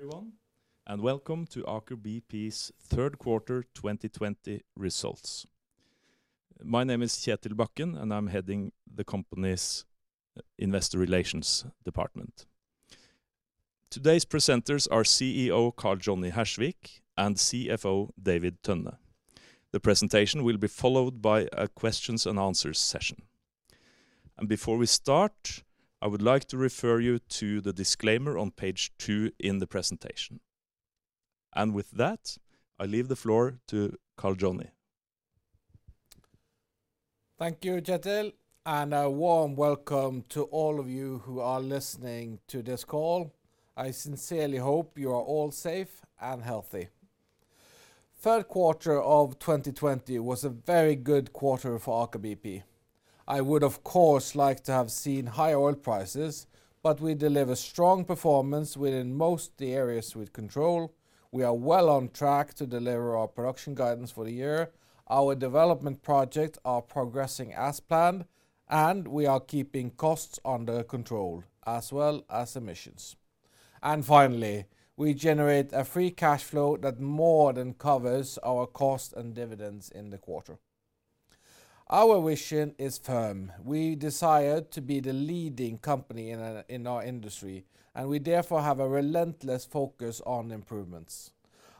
Everyone, welcome to Aker BP's third quarter 2020 results. My name is Kjetil Bakken, and I'm heading the company's investor relations department. Today's presenters are CEO Karl Johnny Hersvik and CFO David Tønne. The presentation will be followed by a questions and answers session. Before we start, I would like to refer you to the disclaimer on page two in the presentation. With that, I leave the floor to Karl Johnny. Thank you, Kjetil, and a warm welcome to all of you who are listening to this call. I sincerely hope you are all safe and healthy. Third quarter of 2020 was a very good quarter for Aker BP. I would, of course, like to have seen higher oil prices, but we deliver strong performance within most the areas with control. We are well on track to deliver our production guidance for the year. Our development projects are progressing as planned, and we are keeping costs under control as well as emissions. Finally, we generate a free cash flow that more than covers our cost and dividends in the quarter. Our vision is firm. We desire to be the leading company in our industry, and we therefore have a relentless focus on improvements.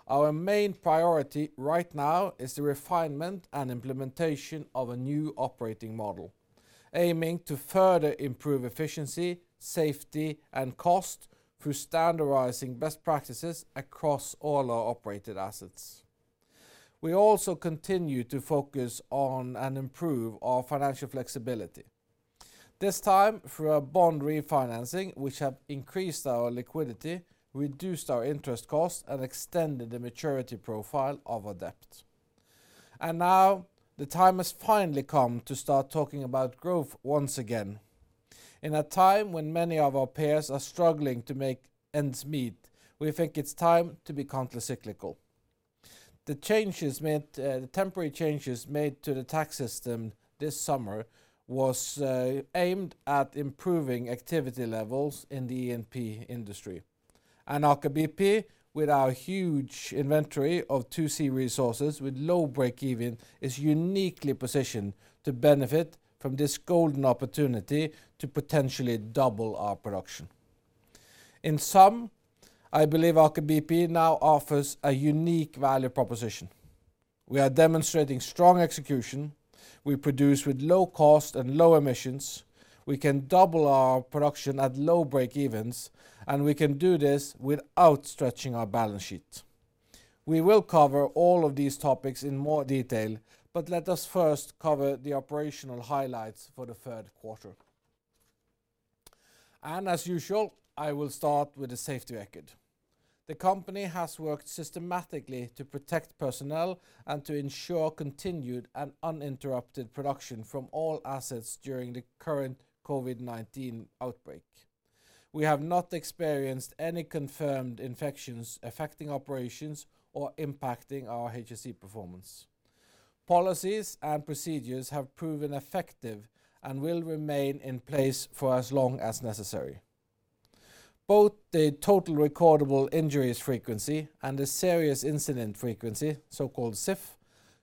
Our main priority right now is the refinement and implementation of a new operating model, aiming to further improve efficiency, safety, and cost through standardizing best practices across all our operated assets. We also continue to focus on and improve our financial flexibility, this time through a bond refinancing which have increased our liquidity, reduced our interest cost, and extended the maturity profile of our debt. Now the time has finally come to start talking about growth once again. In a time when many of our peers are struggling to make ends meet, we think it's time to be counter-cyclical. The temporary changes made to the tax system this summer was aimed at improving activity levels in the E&P industry. Aker BP with our huge inventory of 2 C resources with low breakeven, is uniquely positioned to benefit from this golden opportunity to potentially double our production. In sum, I believe Aker BP now offers a unique value proposition. We are demonstrating strong execution. We produce with low cost and low emissions. We can double our production at low breakevens, and we can do this without stretching our balance sheet. We will cover all of these topics in more detail, but let us first cover the operational highlights for the third quarter. As usual, I will start with the safety record. The company has worked systematically to protect personnel and to ensure continued and uninterrupted production from all assets during the current COVID-19 outbreak. We have not experienced any confirmed infections affecting operations or impacting our HSE performance. Policies and procedures have proven effective and will remain in place for as long as necessary. Both the total recordable injuries frequency and the serious incident frequency, so-called SIF,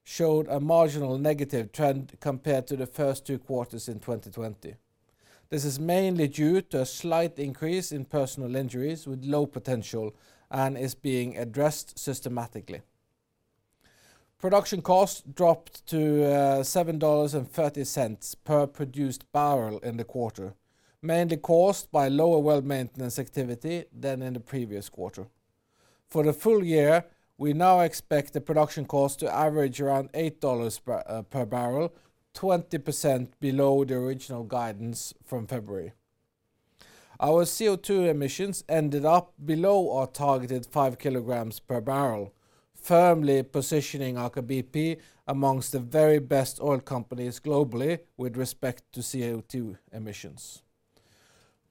showed a marginal negative trend compared to the first two quarters in 2020. This is mainly due to a slight increase in personal injuries with low potential and is being addressed systematically. Production costs dropped to $7.30 per produced barrel in the quarter, mainly caused by lower well maintenance activity than in the previous quarter. For the full year, we now expect the production cost to average around $8 per bbl 20% below the original guidance from February. Our CO2 emissions ended up below our targeted 5 kg per bbl, firmly positioning Aker BP amongst the very best oil companies globally with respect to CO2 emissions.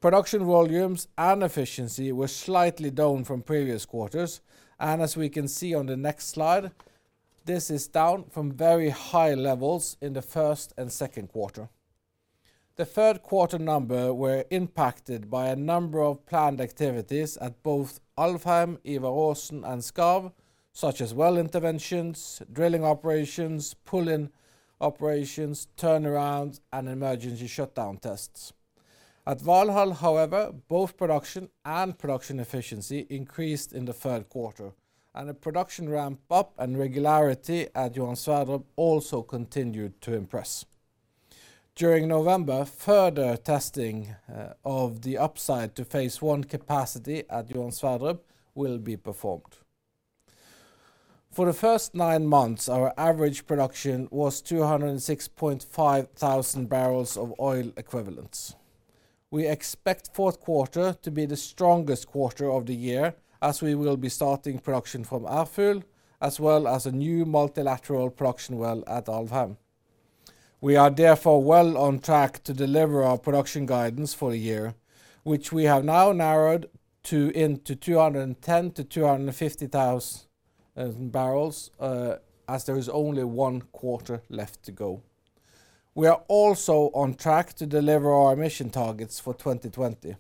Production volumes and efficiency were slightly down from previous quarters. As we can see on the next slide, this is down from very high levels in the first and second quarter. The third quarter number were impacted by a number of planned activities at both Alvheim, Ivar Aasen, and Skarv, such as well interventions, drilling operations, pull-in operations, turnarounds, and emergency shutdown tests. At Valhall, however, both production and production efficiency increased in the third quarter. The production ramp up and regularity at Johan Sverdrup also continued to impress. During November, further testing of the upside to phase one capacity at Johan Sverdrup will be performed. For the first nine months, our average production was 206,500 bbl of oil equivalents. We expect fourth quarter to be the strongest quarter of the year as we will be starting production from Ærfugl as well as a new multilateral production well at Alvheim. Therefore, we are well on track to deliver our production guidance for the year, which we have now narrowed into 210,000 to 250,000 bbl, as there is only one quarter left to go. We are also on track to deliver our emission targets for 2020.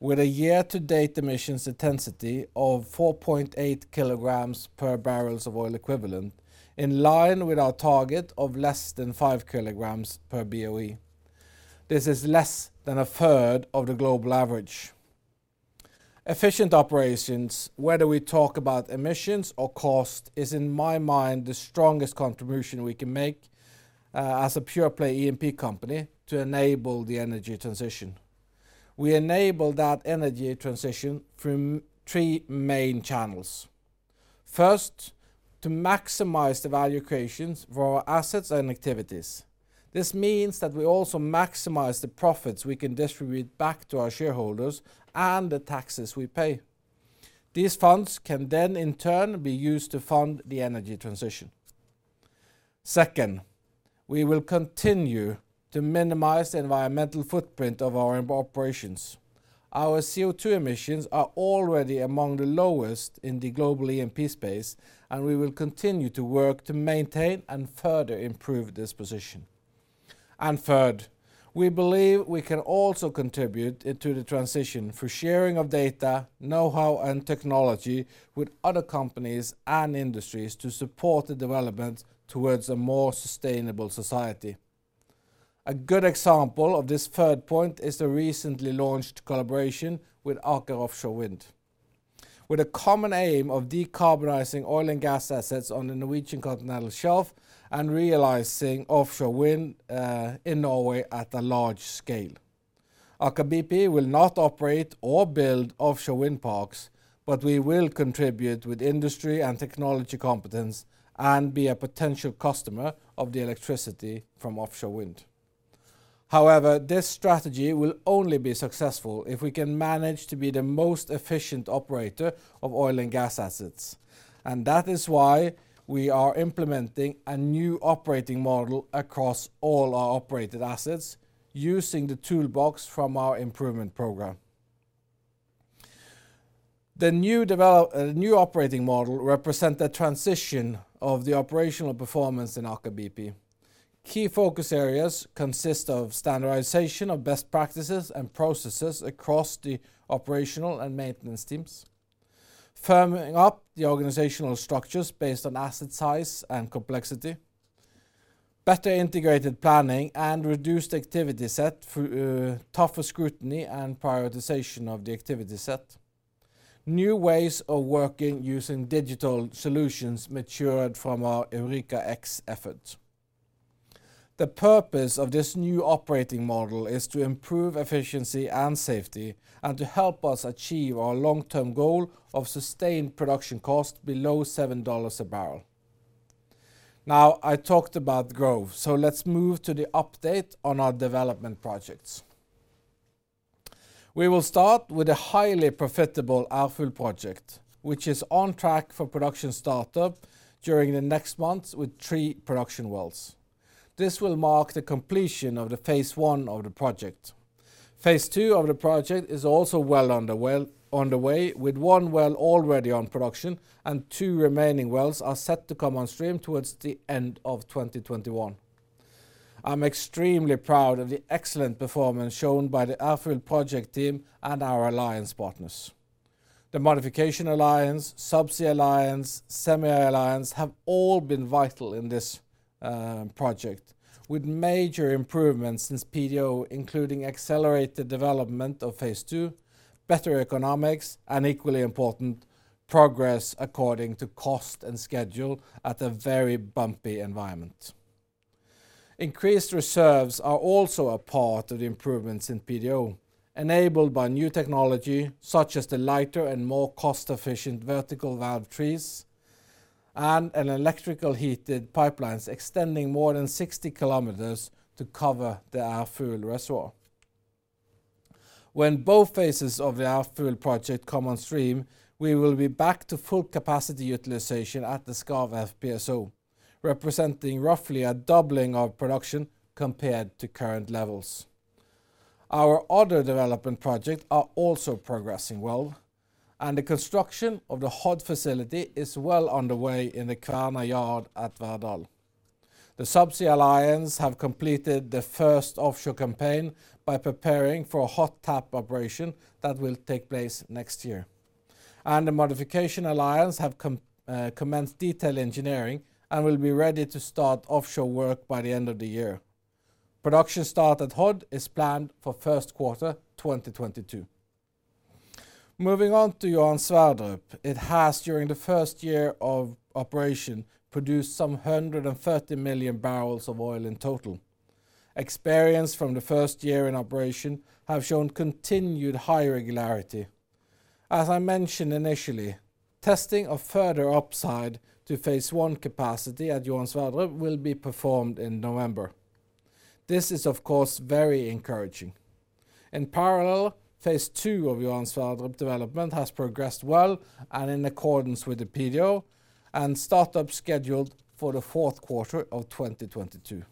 With a year to date emissions intensity of 4.8 kg per bbl of oil equivalent, in line with our target of less than 5 kg per BOE. This is less than a third of the global average. Efficient operations, whether we talk about emissions or cost, is in my mind the strongest contribution we can make as a pure-play E&P company to enable the energy transition. We enable that energy transition through three main channels. First, to maximize the value creations for our assets and activities. This means that we also maximize the profits we can distribute back to our shareholders and the taxes we pay. These funds can then in turn be used to fund the energy transition. Second, we will continue to minimize the environmental footprint of our operations. Our CO2 emissions are already among the lowest in the global E&P space, and we will continue to work to maintain and further improve this position. Third, we believe we can also contribute into the transition through sharing of data, knowhow, and technology with other companies and industries to support the development towards a more sustainable society. A good example of this third point is the recently launched collaboration with Aker Offshore Wind, with a common aim of decarbonizing oil and gas assets on the Norwegian Continental Shelf and realizing offshore wind in Norway at a large scale. Aker BP will not operate or build offshore wind parks, but we will contribute with industry and technology competence and be a potential customer of the electricity from offshore wind. However, this strategy will only be successful if we can manage to be the most efficient operator of oil and gas assets. That is why we are implementing a new operating model across all our operated assets using the toolbox from our improvement program. The new operating model represent a transition of the operational performance in Aker BP. Key focus areas consist of standardization of best practices and processes across the operational and maintenance teams. Firming up the organizational structures based on asset size and complexity. Better integrated planning and reduced activity set through tougher scrutiny and prioritization of the activity set. New ways of working using digital solutions matured from our Eureka X effort. The purpose of this new operating model is to improve efficiency and safety and to help us achieve our long-term goal of sustained production cost below $7 a bbl. I talked about growth, let's move to the update on our development projects. We will start with the highly profitable Ærfugl project, which is on track for production startup during the next months with three production wells. This will mark the completion of the phase I of the project. Phase II of the project is also well underway, with one well already on production and two remaining wells are set to come on stream towards the end of 2021. I'm extremely proud of the excellent performance shown by the Ærfugl project team and our alliance partners. The modification alliance, subsea alliance, semi alliance have all been vital in this project, with major improvements since PDO, including accelerated development of phase II, better economics, and equally important, progress according to cost and schedule at a very bumpy environment. Increased reserves are also a part of the improvements in PDO, enabled by new technology such as the lighter and more cost-efficient vertical valve trees and an electrical heated pipelines extending more than 60 km to cover the Ærfugl reservoir. When both phases of the Ærfugl project come on stream, we will be back to full capacity utilization at the Skarv FPSO, representing roughly a doubling of production compared to current levels. Our other development project are also progressing well, and the construction of the Hod facility is well underway in the Kværner Yard at Verdal. The subsea alliance have completed the first offshore campaign by preparing for a hot tap operation that will take place next year. The modification alliance have commenced detail engineering and will be ready to start offshore work by the end of the year. Production start at Hod is planned for first quarter 2022. Moving on to Johan Sverdrup. It has during the first year of operation, produced some 130 million bbl of oil in total. Experience from the first year in operation have shown continued high regularity. As I mentioned initially, testing of further upside to phase I capacity at Johan Sverdrup will be performed in November. This is of course, very encouraging. In parallel, phase II of Johan Sverdrup development has progressed well and in accordance with the PDO and startup scheduled for the fourth quarter of 2022.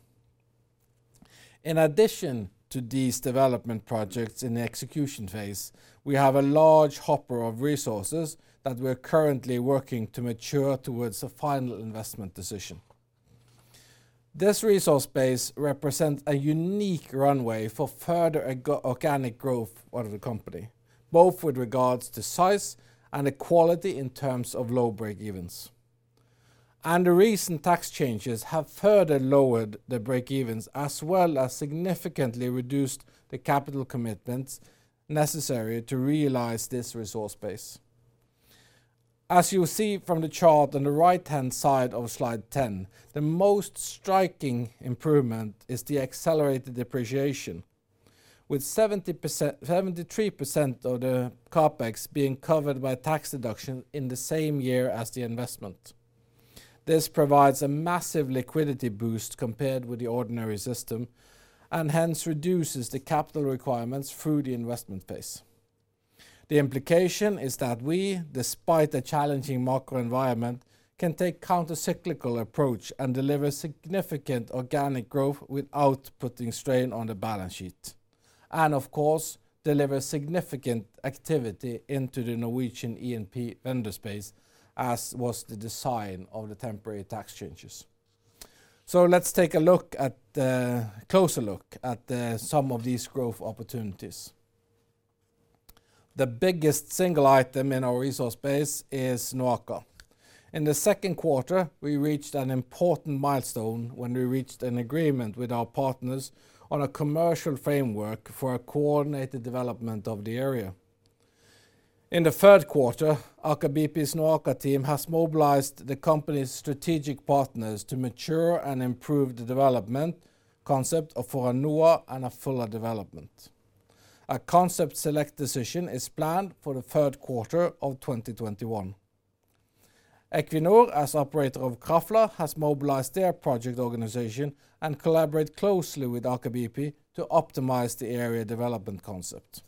In addition to these development projects in the execution phase, we have a large hopper of resources that we're currently working to mature towards a final investment decision. This resource base represents a unique runway for further organic growth out of the company, both with regards to size and the quality in terms of low breakevens. The recent tax changes have further lowered the breakevens as well as significantly reduced the capital commitments necessary to realize this resource base. As you will see from the chart on the right-hand side of slide 10, the most striking improvement is the accelerated depreciation, with 73% of the CapEx being covered by tax deduction in the same year as the investment. This provides a massive liquidity boost compared with the ordinary system, and hence reduces the capital requirements through the investment phase. The implication is that we, despite a challenging macro environment, can take counter-cyclical approach and deliver significant organic growth without putting strain on the balance sheet. Of course, deliver significant activity into the Norwegian E&P vendor space, as was the design of the temporary tax changes. Let's take a closer look at some of these growth opportunities. The biggest single item in our resource base is NOAKA. In the second quarter, we reached an important milestone when we reached an agreement with our partners on a commercial framework for a coordinated development of the area. In the third quarter, Aker BP's NOAKA team has mobilized the company's strategic partners to mature and improve the development concept of NOA and Fulla development. A concept select decision is planned for the third quarter of 2021. Equinor, as operator of Krafla, has mobilized their project organization and collaborate closely with Aker BP to optimize the area development concept.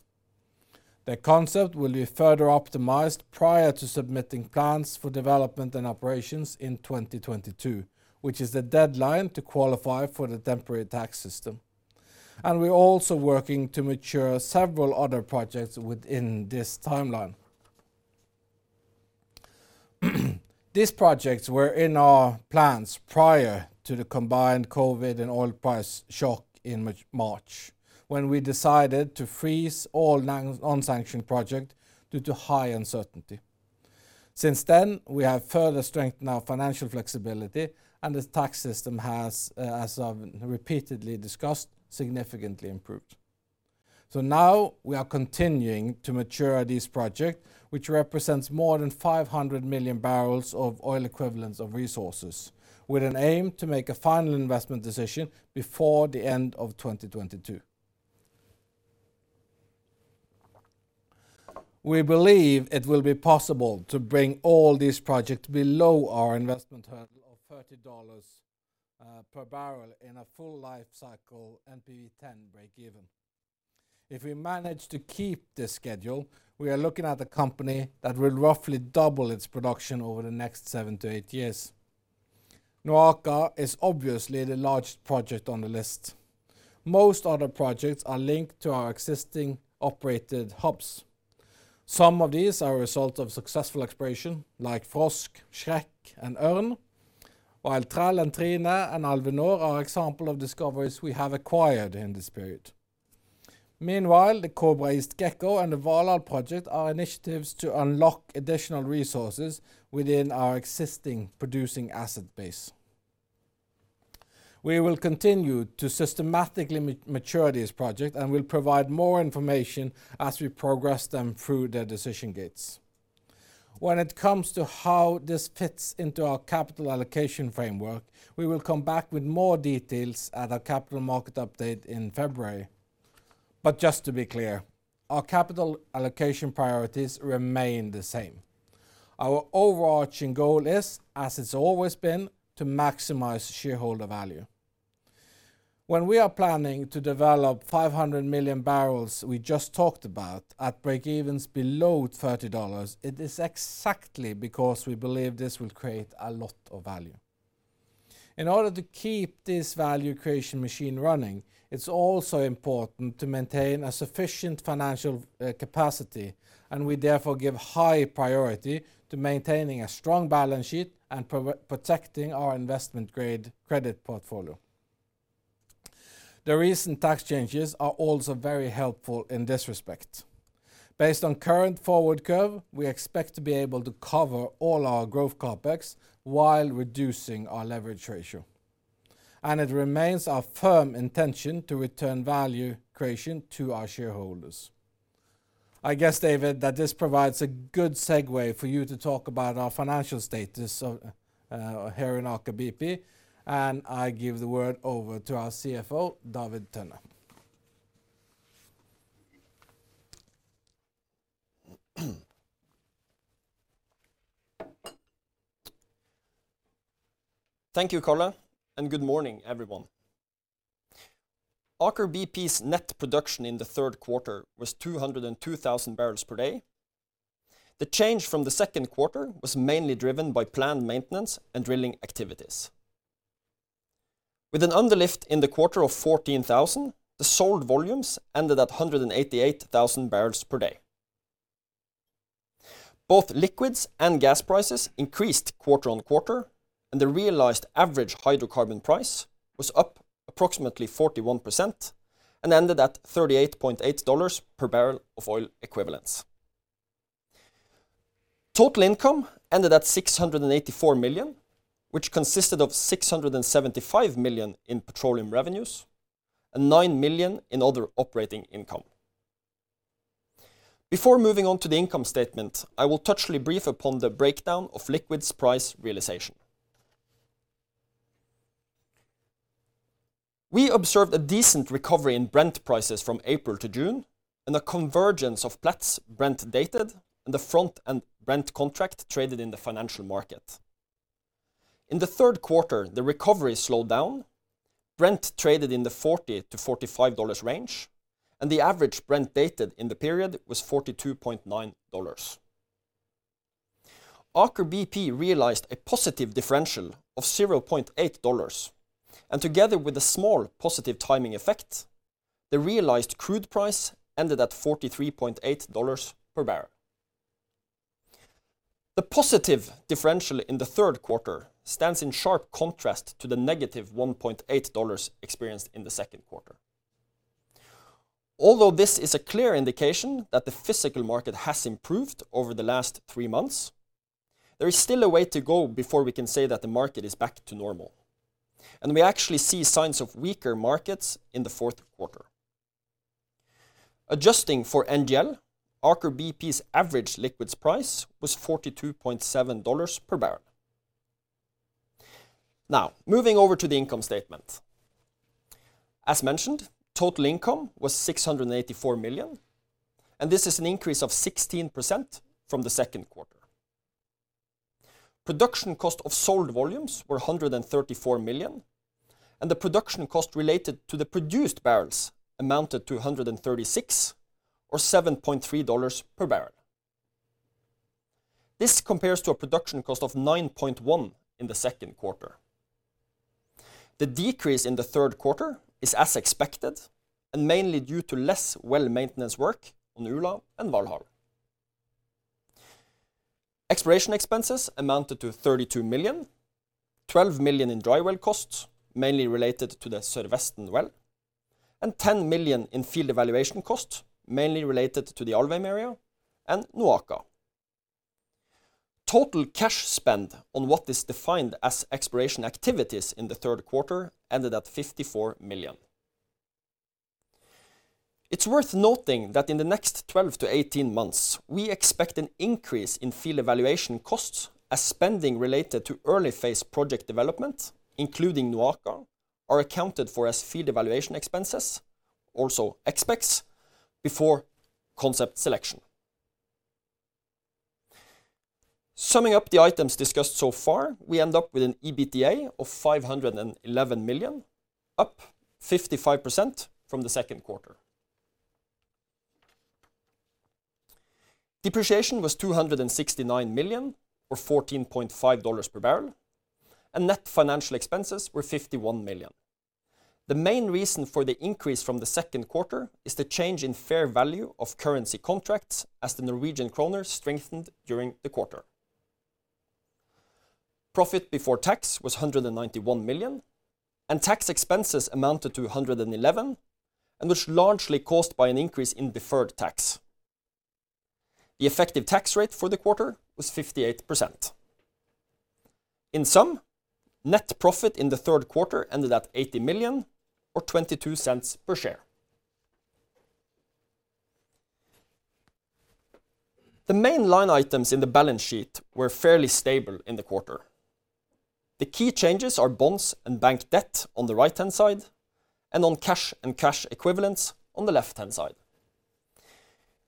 The concept will be further optimized prior to submitting plans for development and operations in 2022, which is the deadline to qualify for the temporary tax system. We're also working to mature several other projects within this timeline. These projects were in our plans prior to the combined COVID and oil price shock in March, when we decided to freeze all non-sanctioned project due to high uncertainty. Since then, we have further strengthened our financial flexibility and the tax system has, as I've repeatedly discussed, significantly improved. Now we are continuing to mature these projects, which represents more than 500 million bbl of oil equivalents of resources, with an aim to make a final investment decision before the end of 2022. We believe it will be possible to bring all these projects below our investment hurdle of $30 per barrel in a full life cycle NPV10 breakeven. If we manage to keep this schedule, we are looking at a company that will roughly double its production over the next seven to eight years. NOAKA is obviously the largest project on the list. Most other projects are linked to our existing operated hubs. Some of these are a result of successful exploration, like Frosk, Skrekk, and Ørn. Trell and Trine and Alve Nord are examples of discoveries we have acquired in this period. Meanwhile, the Kobra East & Gekko and the Valhall project are initiatives to unlock additional resources within our existing producing asset base. We will continue to systematically mature these project and will provide more information as we progress them through their decision gates. When it comes to how this fits into our capital allocation framework, we will come back with more details at our capital market update in February. Just to be clear, our capital allocation priorities remain the same. Our overarching goal is, as it's always been, to maximize shareholder value. When we are planning to develop 500 million bbl we just talked about at breakevens below $30, it is exactly because we believe this will create a lot of value. In order to keep this value creation machine running, it is also important to maintain a sufficient financial capacity, and we therefore give high priority to maintaining a strong balance sheet and protecting our investment-grade credit portfolio. The recent tax changes are also very helpful in this respect. Based on current forward curve, we expect to be able to cover all our growth CapEx while reducing our leverage ratio. It remains our firm intention to return value creation to our shareholders. I guess, David, that this provides a good segue for you to talk about our financial status here in Aker BP, and I give the word over to our CFO, David Tønne. Thank you, Karl, good morning, everyone. Aker BP's net production in the third quarter was 202,000 bbls per day. The change from the second quarter was mainly driven by planned maintenance and drilling activities. With an underlift in the quarter of 14,000, the sold volumes ended at 188,000 bbls per day. Both liquids and gas prices increased quarter on quarter, and the realized average hydrocarbon price was up approximately 41% and ended at $38.80 per bbl of oil equivalents. Total income ended at $684 million, which consisted of $675 million in petroleum revenues and $9 million in other operating income. Before moving on to the income statement, I will touchly brief upon the breakdown of liquids price realization. We observed a decent recovery in Brent prices from April to June and a convergence of Platts Brent Dated and the front-end Brent contract traded in the financial market. In the third quarter, the recovery slowed down. Brent traded in the $40-$45 range, and the average Brent dated in the period was $42.90. Aker BP realized a positive differential of $0.80, and together with a small positive timing effect, the realized crude price ended at $43.80 per bbl. The positive differential in the third quarter stands in sharp contrast to the -$1.80 experienced in the second quarter. Although this is a clear indication that the physical market has improved over the last three months, there is still a way to go before we can say that the market is back to normal, and we actually see signs of weaker markets in the fourth quarter. Adjusting for NGL, Aker BP's average liquids price was $42.70 per bbl. Now, moving over to the income statement. As mentioned, total income was $684 million. This is an increase of 16% from the second quarter. Production cost of sold volumes were $134 million. The production cost related to the produced barrels amounted to $136, or $7.30 per bbl. This compares to a production cost of $9.1 in the second quarter. The decrease in the third quarter is as expected and mainly due to less well maintenance work on Ula and Valhall. Exploration expenses amounted to $32 million, $12 million in dry well costs, mainly related to the Sørvesten well, and $10 million in field evaluation cost, mainly related to the Alvheim area and NOAKA. Total cash spend on what is defined as exploration activities in the third quarter ended at $54 million. It's worth noting that in the next 12 to 18 months, we expect an increase in field evaluation costs as spending related to early phase project development, including NOAKA, are accounted for as field evaluation expenses, also expex, before concept selection. Summing up the items discussed so far, we end up with an EBITDA of $511 million, up 55% from the second quarter. Depreciation was $269 million, or $14.50 per bbl, and net financial expenses were $51 million. The main reason for the increase from the second quarter is the change in fair value of currency contracts as the Norwegian kroner strengthened during the quarter. Profit before tax was $191 million, and tax expenses amounted to $111 million and was largely caused by an increase in deferred tax. The effective tax rate for the quarter was 58%. In sum, net profit in the third quarter ended at $80 million or $0.22 per share. The main line items in the balance sheet were fairly stable in the quarter. The key changes are bonds and bank debt on the right-hand side and on cash and cash equivalents on the left-hand side.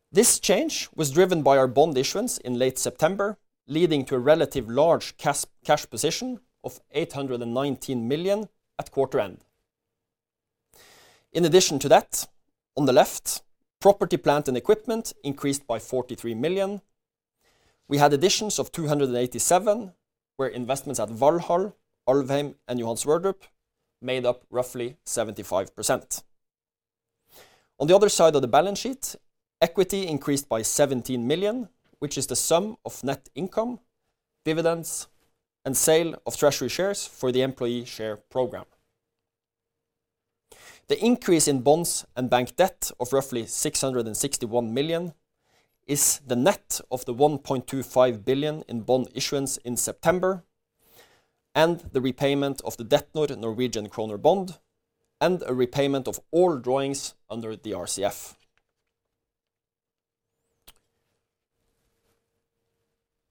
This change was driven by our bond issuance in late September, leading to a relative large cash position of $819 million at quarter end. In addition to that, on the left, property, plant and equipment increased by 43 million. We had additions of 287 million, where investments at Valhall, Alvheim, and Johan Sverdrup made up roughly 75%. On the other side of the balance sheet, equity increased by 17 million, which is the sum of net income, dividends, and sale of treasury shares for the employee share program. The increase in bonds and bank debt of roughly 661 million is the net of the 1.25 billion in bond issuance in September and the repayment of the debt note Norwegian kroner bond and a repayment of all drawings under the RCF.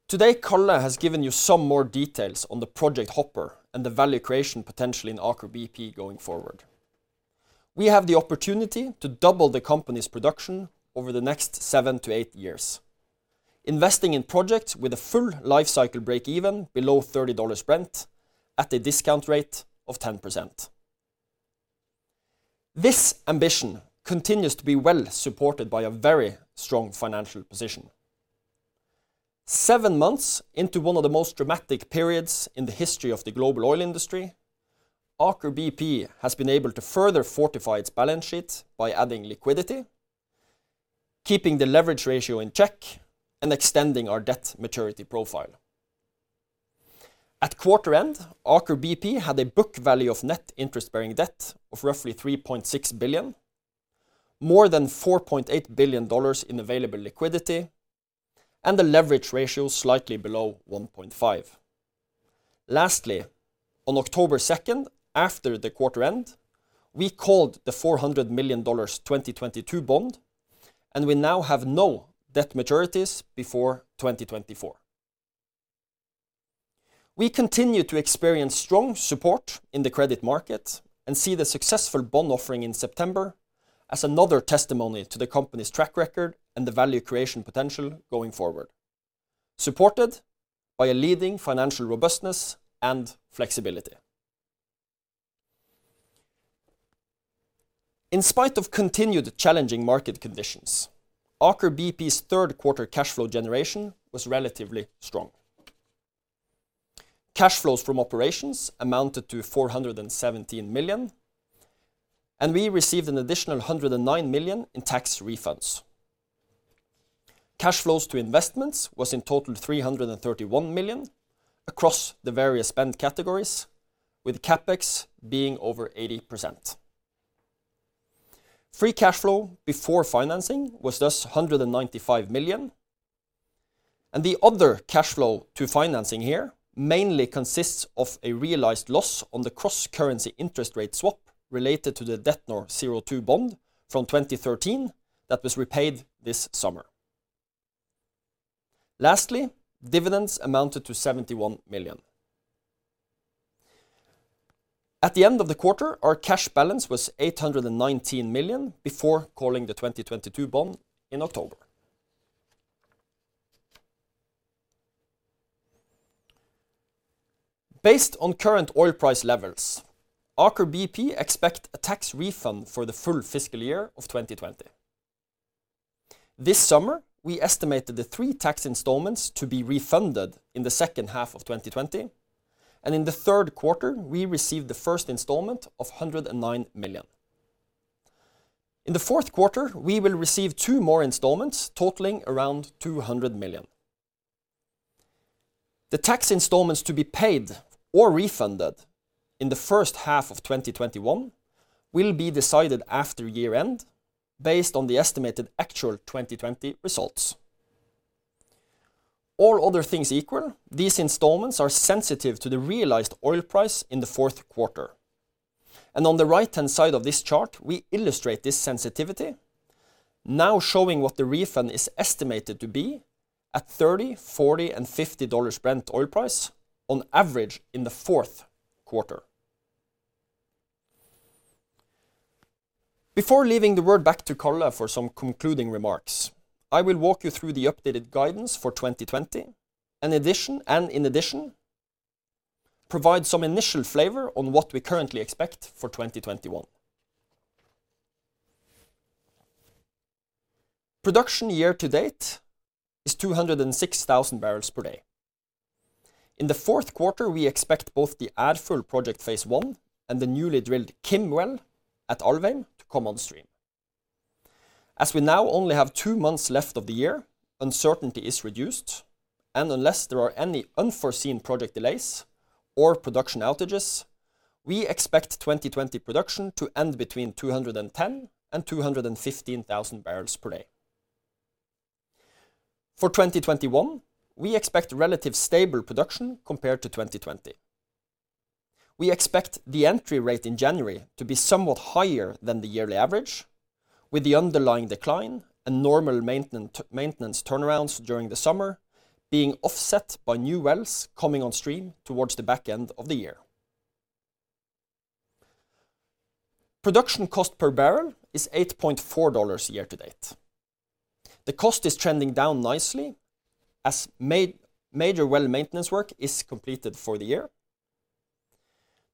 Today, Karl has given you some more details on the project hopper and the value creation potential in Aker BP going forward. We have the opportunity to double the company's production over the next seven to eight years, investing in projects with a full life cycle breakeven below $30 Brent at a discount rate of 10%. This ambition continues to be well-supported by a very strong financial position. Seven months into one of the most dramatic periods in the history of the global oil industry, Aker BP has been able to further fortify its balance sheet by adding liquidity, keeping the leverage ratio in check, and extending our debt maturity profile. At quarter end, Aker BP had a book value of net interest-bearing debt of roughly $3.6 billion, more than $4.8 billion in available liquidity, and the leverage ratio slightly below 1.5. Lastly, on October 2nd, after the quarter end, we called the $400 million 2022 bond, and we now have no debt maturities before 2024. We continue to experience strong support in the credit market and see the successful bond offering in September as another testimony to the company's track record and the value creation potential going forward, supported by a leading financial robustness and flexibility. In spite of continued challenging market conditions, Aker BP's third quarter cash flow generation was relatively strong. Cash flows from operations amounted to $417 million, and we received an additional $109 million in tax refunds. Cash flows to investments was in total $331 million across the various spend categories, with CapEx being over 80%. Free cash flow before financing was thus $195 million, and the other cash flow to financing here mainly consists of a realized loss on the cross-currency interest rate swap related to the DETNOR02 bond from 2013 that was repaid this summer. Lastly, dividends amounted to $71 million. At the end of the quarter, our cash balance was $819 million before calling the 2022 bond in October. Based on current oil price levels, Aker BP expect a tax refund for the full fiscal year of 2020. This summer, we estimated the three tax installments to be refunded in the second half of 2020. In the third quarter, we received the first installment of $109 million. In the fourth quarter, we will receive two more installments totaling around $200 million. The tax installments to be paid or refunded in the first half of 2021 will be decided after year-end based on the estimated actual 2020 results. All other things equal, these installments are sensitive to the realized oil price in the fourth quarter. On the right-hand side of this chart, we illustrate this sensitivity, now showing what the refund is estimated to be at $30, $40, and $50 Brent oil price on average in the fourth quarter. Before leaving the word back to Karl for some concluding remarks, I will walk you through the updated guidance for 2020, in addition, provide some initial flavor on what we currently expect for 2021. Production year-to-date is 206,000 bbls per day. In the fourth quarter, we expect both the Ærfugl project phase 1 and the newly drilled Kameleon Infill Mid well at Alvheim to come on stream. As we now only have two months left of the year, uncertainty is reduced, unless there are any unforeseen project delays or production outages, we expect 2020 production to end between 210,000 and 215,000 bbls per day. For 2021, we expect relative stable production compared to 2020. We expect the entry rate in January to be somewhat higher than the yearly average, with the underlying decline and normal maintenance turnarounds during the summer being offset by new wells coming on stream towards the back end of the year. Production cost per barrel is $8.40 year-to-date. The cost is trending down nicely as major well maintenance work is completed for the year.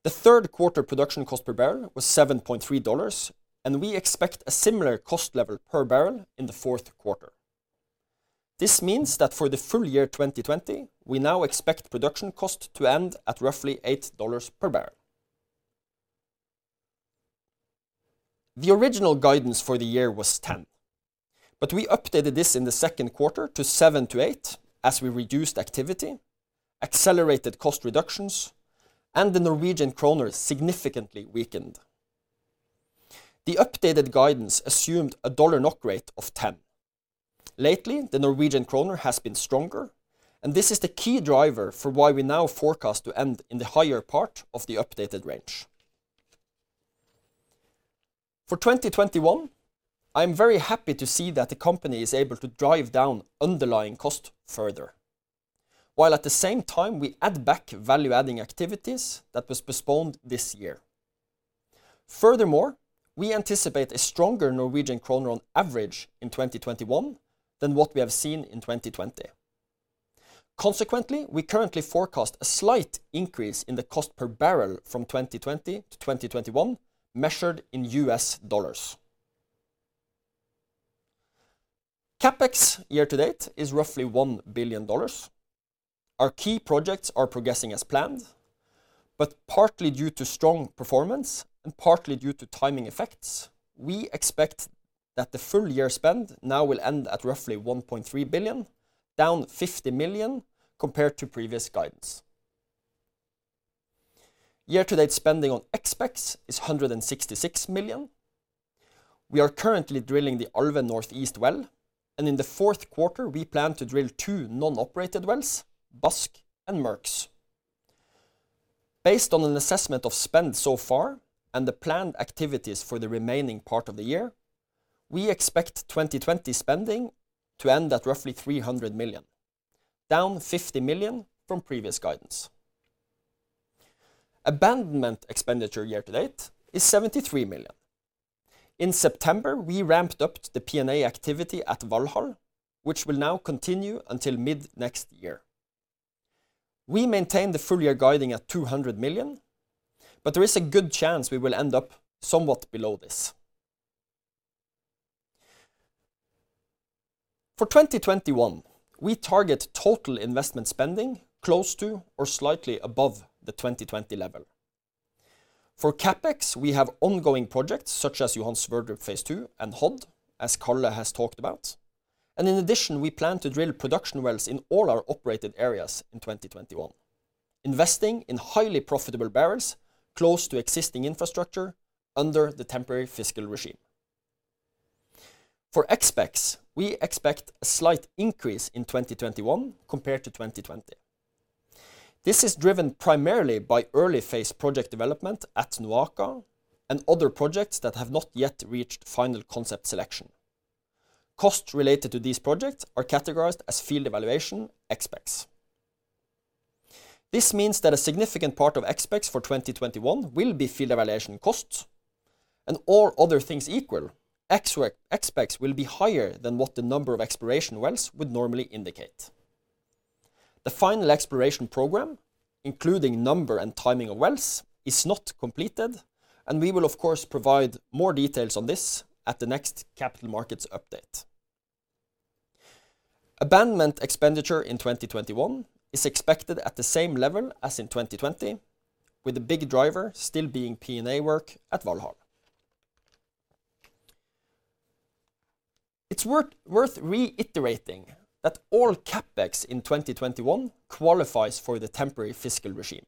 The third quarter production cost per bbl was $7.30, and we expect a similar cost level per barrel in the fourth quarter. This means that for the full year 2020, we now expect production cost to end at roughly $8 per bbl. The original guidance for the year was $10, but we updated this in the second quarter to $7-$8 as we reduced activity, accelerated cost reductions, and the Norwegian kroner significantly weakened. The updated guidance assumed a dollar NOK rate of 10. Lately, the Norwegian kroner has been stronger. This is the key driver for why we now forecast to end in the higher part of the updated range. For 2021, I am very happy to see that the company is able to drive down underlying cost further, while at the same time we add back value-adding activities that was postponed this year. Furthermore, we anticipate a stronger Norwegian kroner on average in 2021 than what we have seen in 2020. Consequently, we currently forecast a slight increase in the cost per barrel from 2020 to 2021, measured in US dollars. CapEx year to date is roughly $1 billion. Our key projects are progressing as planned. Partly due to strong performance and partly due to timing effects, we expect that the full-year spend now will end at roughly $1.3 billion, down $50 million, compared to previous guidance. Year-to-date spending on expex is 166 million. We are currently drilling the Alvheim Northeast well, and in the fourth quarter, we plan to drill two non-operated wells, Baske and Merkes. Based on an assessment of spend so far and the planned activities for the remaining part of the year, we expect 2020 spending to end at roughly 300 million, down 50 million from previous guidance. Abandonment expenditure year to date is 73 million. In September, we ramped up the P&A activity at Valhall, which will now continue until mid next year. We maintain the full-year guiding at 200 million, but there is a good chance we will end up somewhat below this. For 2021, we target total investment spending close to or slightly above the 2020 level. For CapEx, we have ongoing projects such as Johan Sverdrup phase II and Hod, as Karl has talked about. In addition, we plan to drill production wells in all our operated areas in 2021, investing in highly profitable barrels close to existing infrastructure under the temporary fiscal regime. For expex, we expect a slight increase in 2021 compared to 2020. This is driven primarily by early-phase project development at NOAKA and other projects that have not yet reached final concept selection. Costs related to these projects are categorized as field evaluation expex. This means that a significant part of expex for 2021 will be field evaluation costs, and all other things equal, expex will be higher than what the number of exploration wells would normally indicate. The final exploration program, including number and timing of wells, is not completed, and we will of course provide more details on this at the next capital markets update. Abandonment expenditure in 2021 is expected at the same level as in 2020, with the big driver still being P&A work at Valhall. It's worth reiterating that all CapEx in 2021 qualifies for the temporary fiscal regime.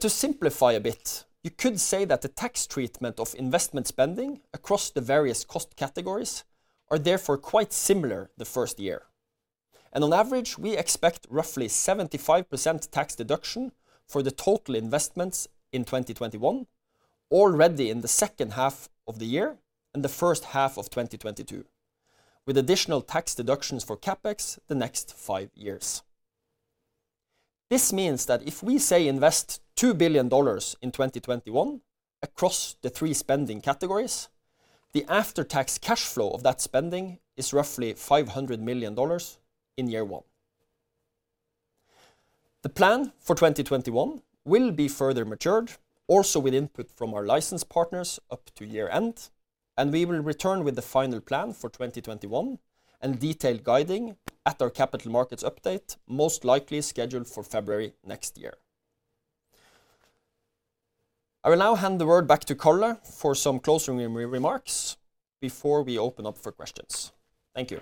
To simplify a bit, you could say that the tax treatment of investment spending across the various cost categories are therefore quite similar the first year. On average, we expect roughly 75% tax deduction for the total investments in 2021 already in the second half of the year and the first half of 2022, with additional tax deductions for CapEx the next five years. This means that if we, say, invest $2 billion in 2021 across the three spending categories, the after-tax cash flow of that spending is roughly $500 million in year one. The plan for 2021 will be further matured, also with input from our license partners up to year-end. We will return with the final plan for 2021 and detailed guiding at our capital markets update, most likely scheduled for February next year. I will now hand the word back to Karl for some closing remarks before we open up for questions. Thank you.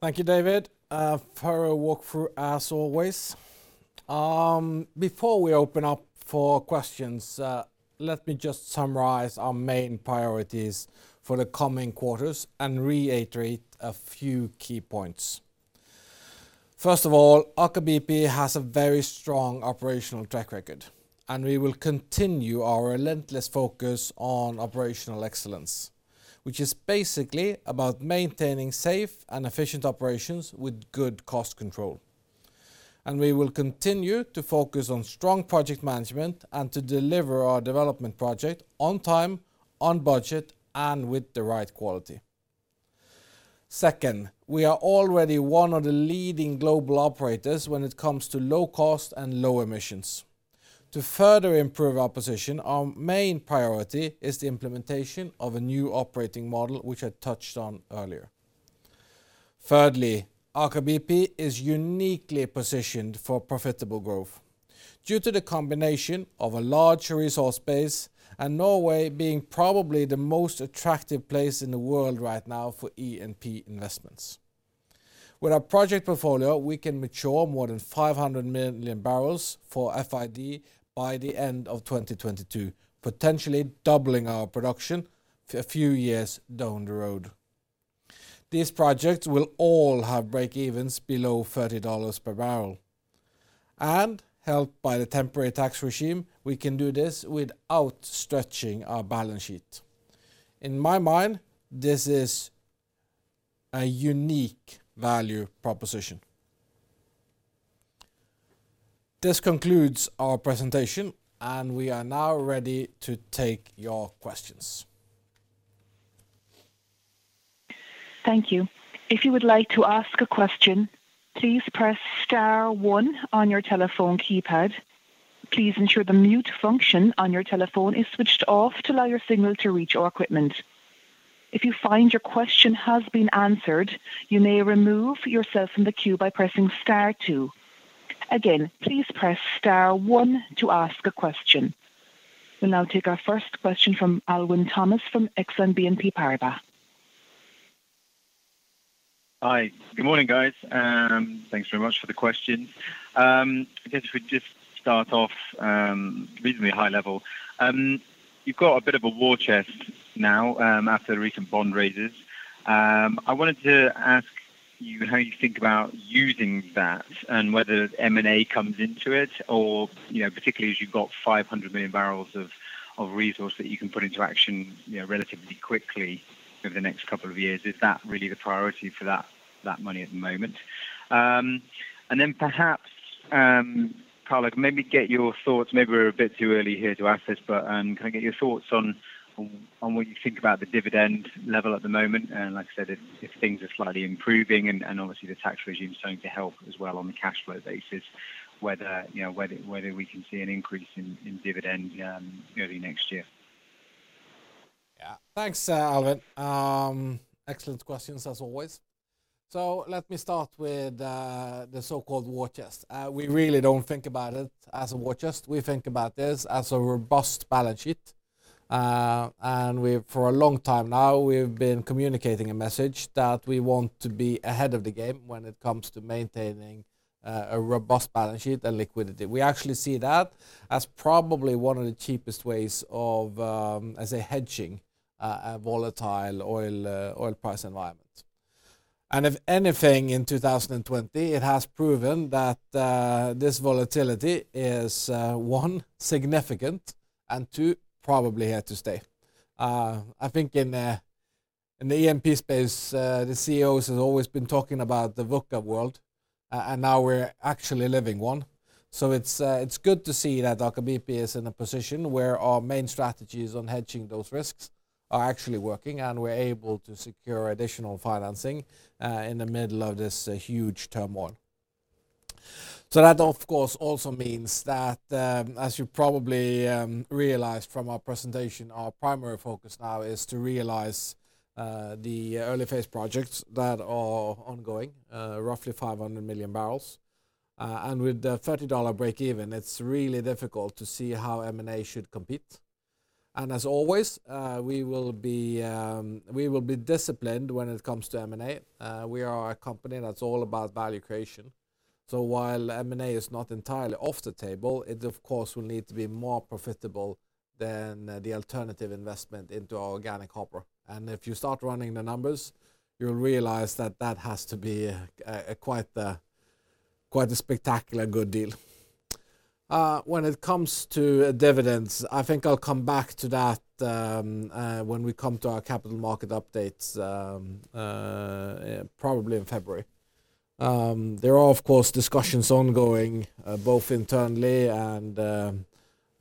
Thank you, David, for a walkthrough as always. Before we open up for questions, let me just summarize our main priorities for the coming quarters and reiterate a few key points. First of all, Aker BP has a very strong operational track record. We will continue our relentless focus on operational excellence, which is basically about maintaining safe and efficient operations with good cost control. We will continue to focus on strong project management and to deliver our development project on time, on budget, and with the right quality. Second, we are already one of the leading global operators when it comes to low cost and low emissions. To further improve our position, our main priority is the implementation of a new operating model, which I touched on earlier. Thirdly, Aker BP is uniquely positioned for profitable growth due to the combination of a large resource base and Norway being probably the most attractive place in the world right now for E&P investments. With our project portfolio, we can mature more than 500 million bbls for FID by the end of 2022, potentially doubling our production a few years down the road. These projects will all have breakevens below $30 per bbl. Helped by the temporary tax regime, we can do this without stretching our balance sheet. In my mind, this is a unique value proposition. This concludes our presentation. We are now ready to take your questions. Thank you. If you would like to ask a question, please press star one on your telephone keypad. Please ensure the mute function on your telephone is switched off to allow your signal to reach our equipment. If you find your question has been answered, you may remove yourself from the queue by pressing star two. Again, please press star one to ask a question. We will now take our first question from Alwyn Thomas from Exane BNP Paribas. Hi. Good morning, guys. Thanks very much for the questions. I guess if we just start off reasonably high level. You've got a bit of a war chest now after the recent bond raises. I wanted to ask you how you think about using that and whether M&A comes into it, particularly as you've got 500 million bbls of resource that you can put into action relatively quickly over the next couple of years. Is that really the priority for that money at the moment? Perhaps, Karl, maybe get your thoughts. Maybe we're a bit too early here to ask this, can I get your thoughts on what you think about the dividend level at the moment? Like I said, if things are slightly improving and obviously the tax regime is starting to help as well on the cash flow basis, whether we can see an increase in dividend early next year. Thanks, Alwyn. Excellent questions as always. Let me start with the so-called war chest. We really don't think about it as a war chest. We think about this as a robust balance sheet. For a long time now, we've been communicating a message that we want to be ahead of the game when it comes to maintaining a robust balance sheet and liquidity. We actually see that as probably one of the cheapest ways of, as a hedging, a volatile oil price environment. If anything, in 2020, it has proven that this volatility is, one, significant, and two, probably here to stay. I think in the E&P space, the CEOs have always been talking about the VUCA world, and now we're actually living one. It's good to see that Aker BP is in a position where our main strategies on hedging those risks are actually working, and we're able to secure additional financing in the middle of this huge turmoil. That, of course, also means that, as you probably realized from our presentation, our primary focus now is to realize the early-phase projects that are ongoing, roughly 500 million bbls. With the $30 breakeven, it's really difficult to see how M&A should compete. As always, we will be disciplined when it comes to M&A. We are a company that's all about value creation. While M&A is not entirely off the table, it of course, will need to be more profitable than the alternative investment into organic CapEx. If you start running the numbers, you'll realize that that has to be quite a spectacular good deal. When it comes to dividends, I think I'll come back to that when we come to our capital market updates, probably in February. There are, of course, discussions ongoing, both internally and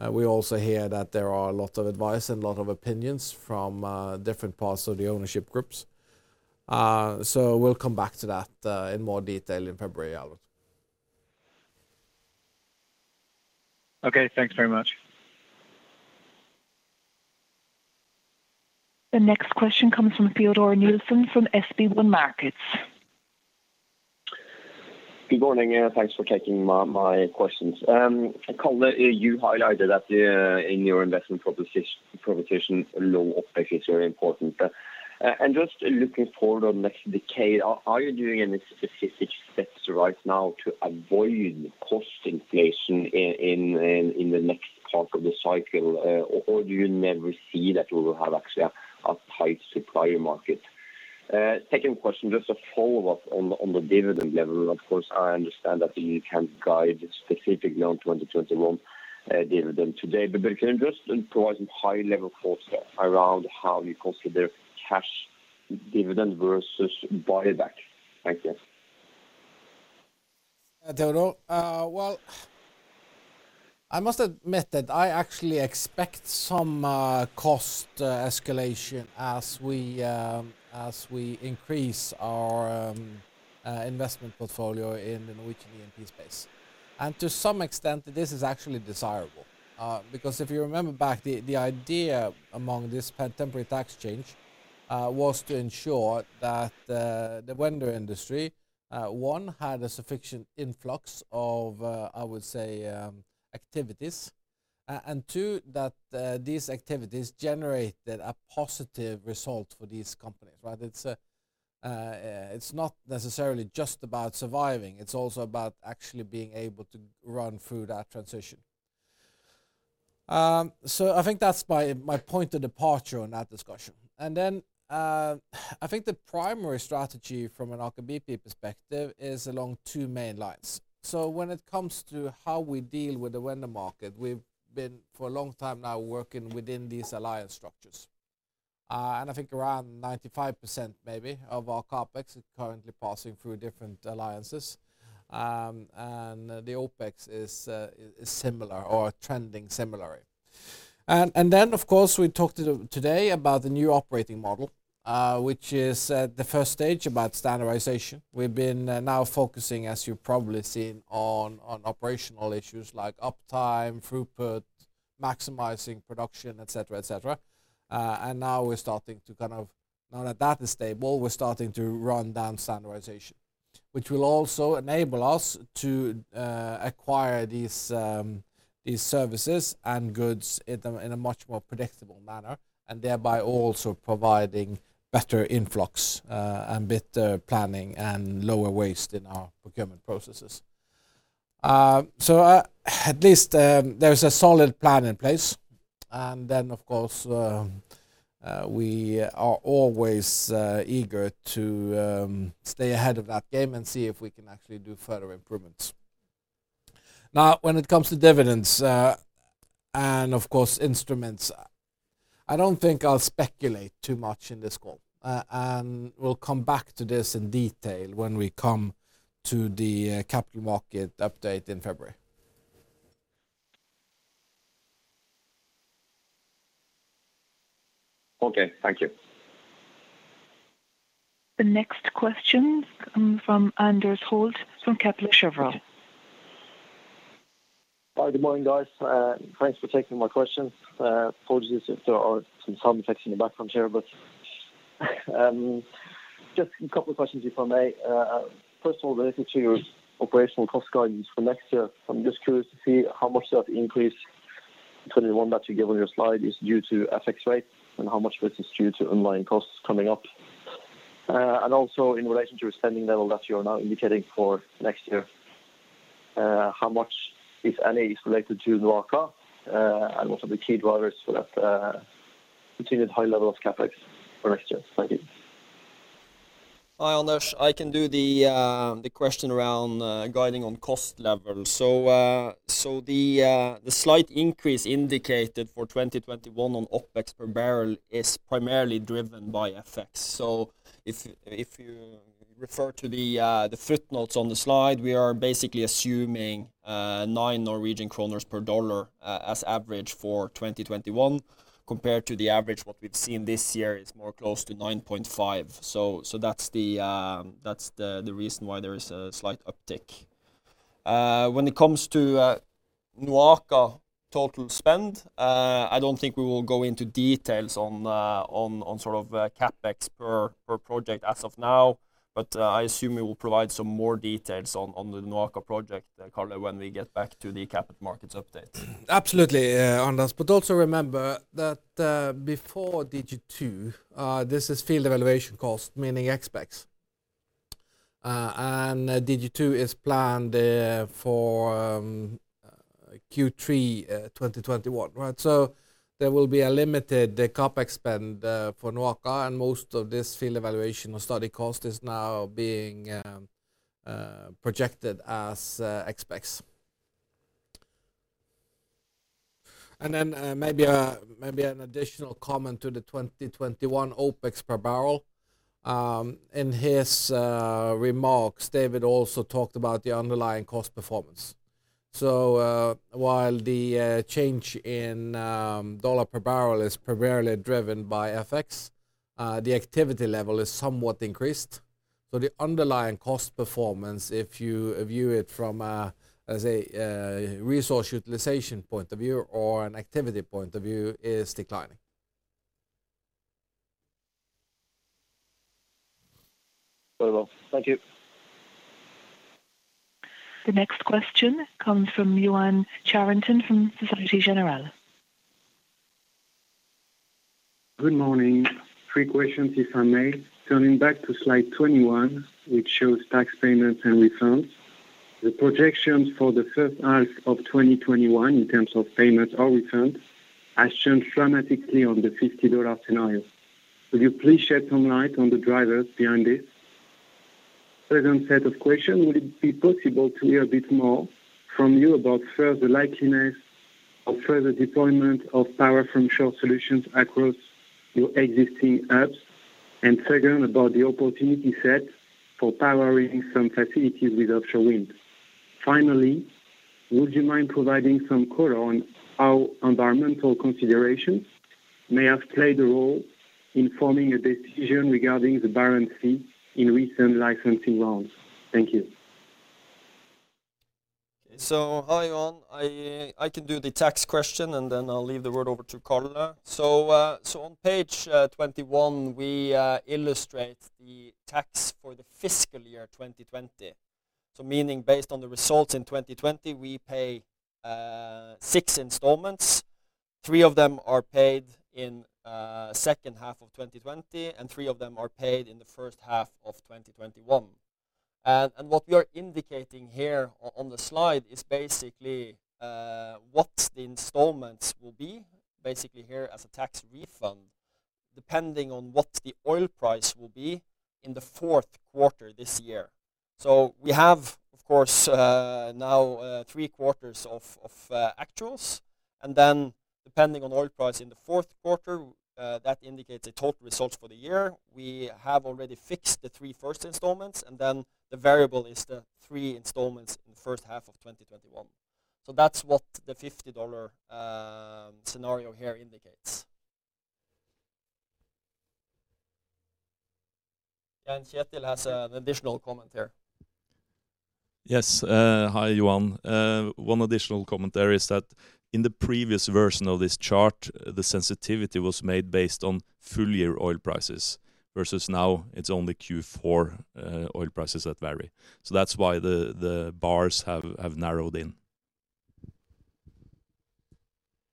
we also hear that there are a lot of advice and a lot of opinions from different parts of the ownership groups. We'll come back to that in more detail in February, Alwyn. Okay, thanks very much. The next question comes from Teodor Nilsen from SB1 Markets. Good morning, thanks for taking my questions. Karl, you highlighted that in your investment proposition, low OpEx is very important. Just looking forward on next decade, are you doing any specific steps right now to avoid cost inflation in the next part of the cycle, or do you never see that we will have actually a tight supplier market? Second question, just a follow-up on the dividend level. Of course, I understand that you can't guide specifically on 2021 dividend today, but can you just provide some high-level thoughts around how you consider cash dividend versus buyback? Thank you. Teodor. Well, I must admit that I actually expect some cost escalation as we increase our investment portfolio in the Norwegian E&P space. To some extent, this is actually desirable. If you remember back, the idea among this contemporary tax change was to ensure that the vendor industry, one, had a sufficient influx of, I would say, activities, and two, that these activities generated a positive result for these companies, right? It's not necessarily just about surviving, it's also about actually being able to run through that transition. I think that's my point of departure on that discussion. I think the primary strategy from an Aker BP perspective is along two main lines. When it comes to how we deal with the vendor market, we've been, for a long time now, working within these alliance structures. I think around 95%, maybe, of our CapEx is currently passing through different alliances. The OpEx is similar or trending similarly. Then, of course, we talked today about the new operating model, which is the first stage about standardization. We've been now focusing, as you've probably seen, on operational issues like uptime, throughput, maximizing production, et cetera. Now we're starting to, now that that is stable, we're starting to run down standardization, which will also enable us to acquire these services and goods in a much more predictable manner, and thereby also providing better influx, and better planning, and lower waste in our procurement processes. At least there's a solid plan in place. Of course, we are always eager to stay ahead of that game and see if we can actually do further improvements. Now, when it comes to dividends, and of course, instruments, I don't think I'll speculate too much in this call. We'll come back to this in detail when we come to the capital market update in February. Okay. Thank you. The next question comes from Anders Holte from Kepler Cheuvreux. Hi. Good morning, guys. Thanks for taking my questions. Apologies if there are some sound effects in the background here, just a couple of questions, if I may. First of all, related to your operational cost guidance for next year. I'm just curious to see how much of the increase in 2021 that you give on your slide is due to FX rate, and how much of it is due to underlying costs coming up. Also in relation to your spending level that you're now indicating for next year, how much, if any, is related to NOAKA, and what are the key drivers for that continued high level of CapEx for next year? Thank you. Hi, Anders. I can do the question around guiding on cost level. The slight increase indicated for 2021 on OpEx per barrel is primarily driven by effects. If you refer to the footnotes on the slide, we are basically assuming 9 Norwegian kroner per dollar as average for 2021 compared to the average what we've seen this year is more close to 9.5. That's the reason why there is a slight uptick. When it comes to NOAKA total spend, I don't think we will go into details on sort of CapEx per project as of now, but I assume we will provide some more details on the NOAKA project, Karl, when we get back to the capital markets update. Absolutely, Anders. Also remember that before DG2, this is field evaluation cost, meaning OpEx. DG2 is planned for Q3 2021, right? There will be a limited CapEx spend for NOAKA and most of this field evaluation or study cost is now being projected as OpEx. Then maybe an additional comment to the 2021 OpEx per barrel. In his remarks, David also talked about the underlying cost performance. While the change in dollar per barrel is primarily driven by FX, the activity level is somewhat increased. The underlying cost performance, if you view it from a resource utilization point of view or an activity point of view, is declining. Very well. Thank you. The next question comes from Yoann Charenton from Societe Generale. Good morning. Three questions if I may. Turning back to slide 21, which shows tax payments and refunds. The projections for the first half of 2021 in terms of payments or refunds has changed dramatically on the $50 scenario. Could you please shed some light on the drivers behind this? Second set of question, would it be possible to hear a bit more from you about further likeliness of further deployment of power from shore solutions across your existing hubs? And second, about the opportunity set for powering some facilities with offshore wind. Finally, would you mind providing some color on how environmental considerations may have played a role in forming a decision regarding the Barents Sea in recent licensing rounds? Thank you. Hi, Yoann. I can do the tax question, and then I'll leave the word over to Karl. On page 21, we illustrate the tax for the fiscal year 2020. Meaning based on the results in 2020, we pay six installments. Three of them are paid in second half of 2020, and three of them are paid in the first half of 2021. What we are indicating here on the slide is basically what the installments will be, basically here as a tax refund, depending on what the oil price will be in the fourth quarter this year. We have, of course, now three quarters of actuals, and then depending on oil price in the fourth quarter, that indicates the total results for the year. We have already fixed the three first installments. The variable is the three installments in the first half of 2021. That's what the $50 scenario here indicates. Kjetil has an additional comment there. Yes. Hi, Johan. One additional comment there is that in the previous version of this chart, the sensitivity was made based on full year oil prices, versus now it's only Q4 oil prices that vary. That's why the bars have narrowed in.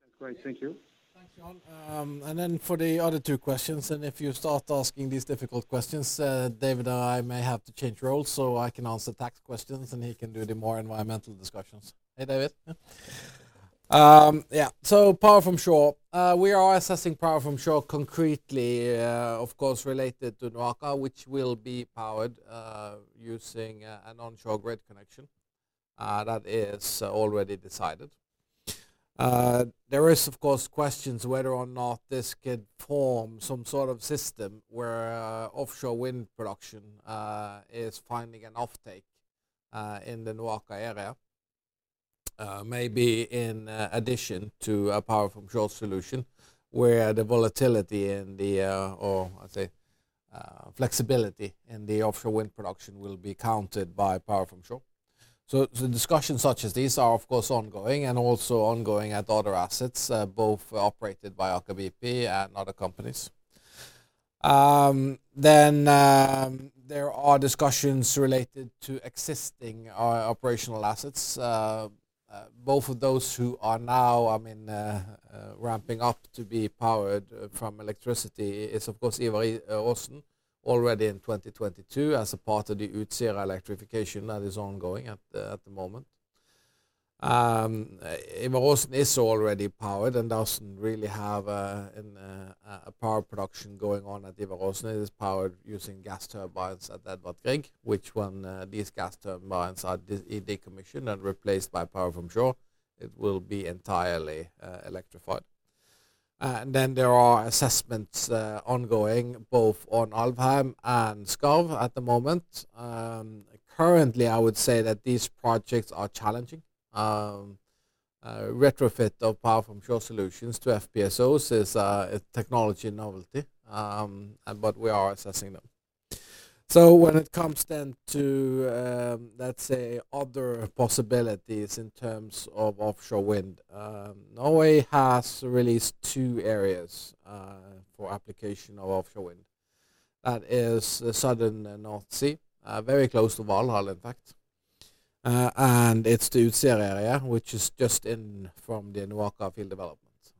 That's great. Thank you. Thanks, Johan. For the other two questions, if you start asking these difficult questions, David and I may have to change roles so I can answer tax questions and he can do the more environmental discussions. Hey, David. Yeah. Power from shore. We are assessing power from shore concretely, of course, related to NOAKA, which will be powered using an onshore grid connection. That is already decided. There is, of course, questions whether or not this could form some sort of system where offshore wind production is finding an offtake in the NOAKA area, maybe in addition to a power from shore solution, where the volatility or, I'd say, flexibility in the offshore wind production will be countered by power from shore. The discussions such as these are, of course, ongoing and also ongoing at other assets, both operated by Aker BP and other companies. There are discussions related to existing operational assets, both of those who are now ramping up to be powered from electricity is, of course, Ivar Aasen already in 2022 as a part of the Utsira electrification that is ongoing at the moment. Ivar Aasen is already powered and doesn't really have a power production going on at Ivar Aasen. It is powered using gas turbines at Edvard Grieg, which when these gas turbines are decommissioned and replaced by power from shore, it will be entirely electrified. There are assessments ongoing both on Alvheim and Skarv at the moment. Currently, I would say that these projects are challenging. Retrofit of power from shore solutions to FPSOs is a technology novelty, but we are assessing them. When it comes then to, let's say, other possibilities in terms of offshore wind, Norway has released two areas for application of offshore wind. That is the southern North Sea, very close to Valhall, in fact, and it is the Utsira area, which is just in from the NOAKA field developments.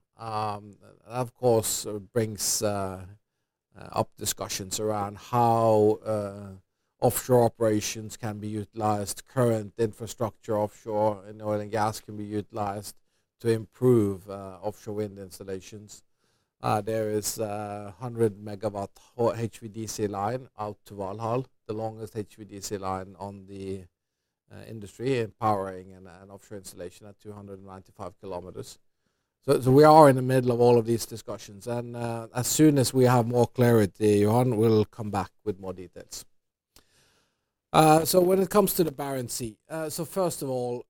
It brings up discussions around how offshore operations can be utilized, current infrastructure offshore in oil and gas can be utilized to improve offshore wind installations. There is a 100 MW HVDC line out to Valhall, the longest HVDC line on the industry, empowering an offshore installation at 295 km. We are in the middle of all of these discussions, and as soon as we have more clarity, Johan will come back with more details. When it comes to the Barents Sea, first of all,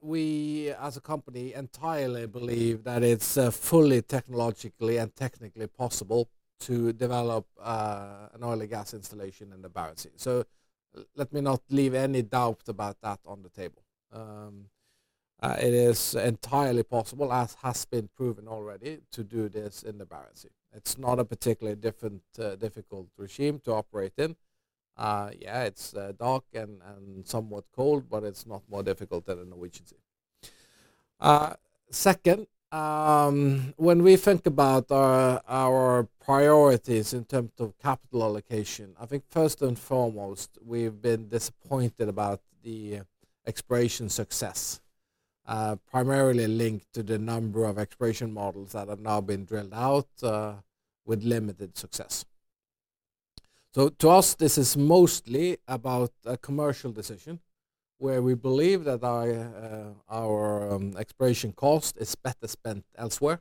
we as a company entirely believe that it's fully technologically and technically possible to develop an oil and gas installation in the Barents Sea. Let me not leave any doubt about that on the table. It is entirely possible, as has been proven already, to do this in the Barents Sea. It's not a particularly difficult regime to operate in. Yeah, it's dark and somewhat cold, but it's not more difficult than the Norwegian Sea. Second, when we think about our priorities in terms of capital allocation, I think first and foremost, we've been disappointed about the exploration success, primarily linked to the number of exploration models that have now been drilled out with limited success. To us, this is mostly about a commercial decision where we believe that our exploration cost is better spent elsewhere.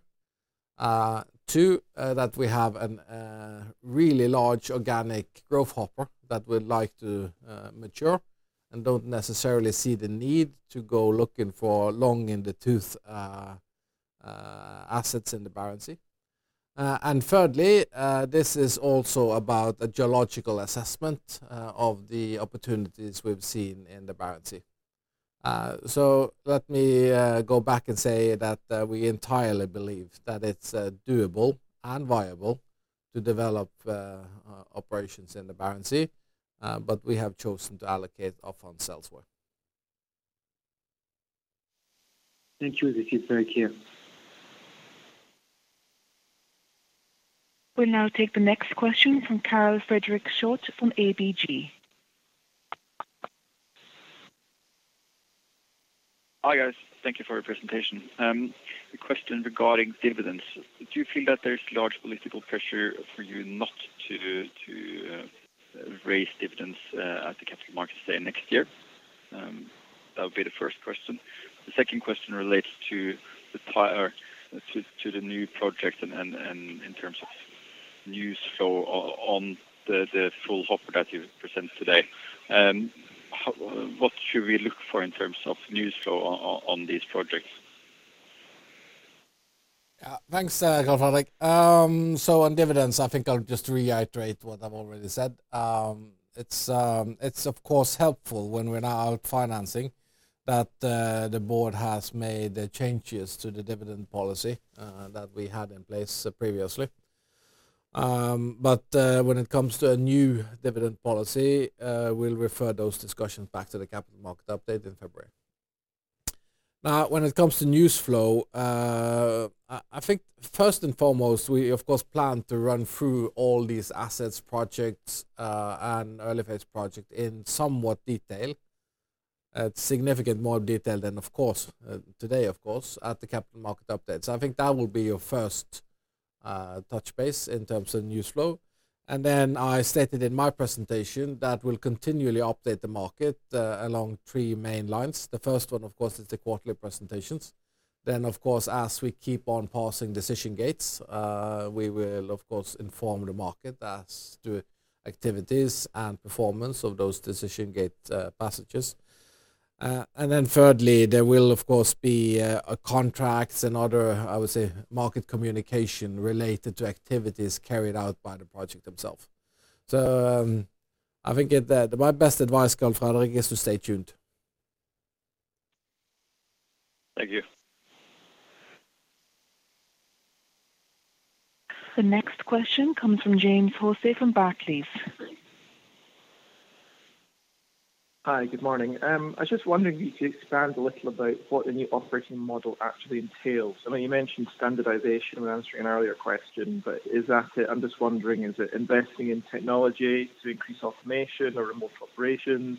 Two, that we have a really large organic growth hopper that we'd like to mature and don't necessarily see the need to go looking for long-in-the-tooth assets in the Barents Sea. Thirdly, this is also about a geological assessment of the opportunities we've seen in the Barents Sea. Let me go back and say that we entirely believe that it's doable and viable to develop operations in the Barents Sea, but we have chosen to allocate our funds elsewhere. Thank you. That's very clear. We'll now take the next question from Karl Fredrik Schjøtt from ABG. Hi, guys. Thank you for your presentation. A question regarding dividends. Do you feel that there's large political pressure for you not to raise dividends at the capital markets day next year? That would be the first question. The second question relates to the new project and in terms of news flow on the NOA Fulla that you presented today. What should we look for in terms of news flow on these projects? Thanks, Karl Fredrik. On dividends, I think I'll just reiterate what I've already said. It's of course helpful when we're now out financing that the board has made the changes to the dividend policy that we had in place previously. When it comes to a new dividend policy, we'll refer those discussions back to the Capital Market Update in February. When it comes to news flow, I think first and foremost, we of course plan to run through all these assets projects, and early-phase project in somewhat detail at significant more detail than today, of course, at the Capital Market Update. I think that will be your first touch base in terms of news flow. Then I stated in my presentation that we'll continually update the market along three main lines. The first one, of course, is the quarterly presentations. Of course, as we keep on passing decision gates, we will of course inform the market as to activities and performance of those decision gate passages. Thirdly, there will of course be contracts and other, I would say, market communication related to activities carried out by the project themselves. I think my best advice, Karl Fredrik, is to stay tuned. Thank you. The next question comes from James Hosie from Barclays. Hi, good morning. I was just wondering if you could expand a little about what the new operating model actually entails. I mean, you mentioned standardization when answering an earlier question. Is that it? I am just wondering, is it investing in technology to increase automation or remote operations?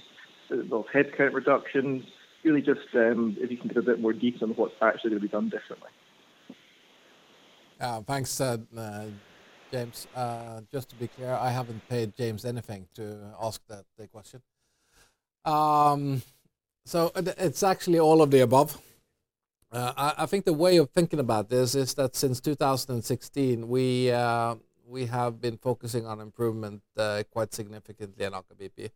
Is it headcount reductions? Really just if you can give a bit more detail on what is actually going to be done differently. Thanks, James. Just to be clear, I haven't paid James anything to ask that question. It's actually all of the above. I think the way of thinking about this is that since 2016, we have been focusing on improvement quite significantly in Aker BP.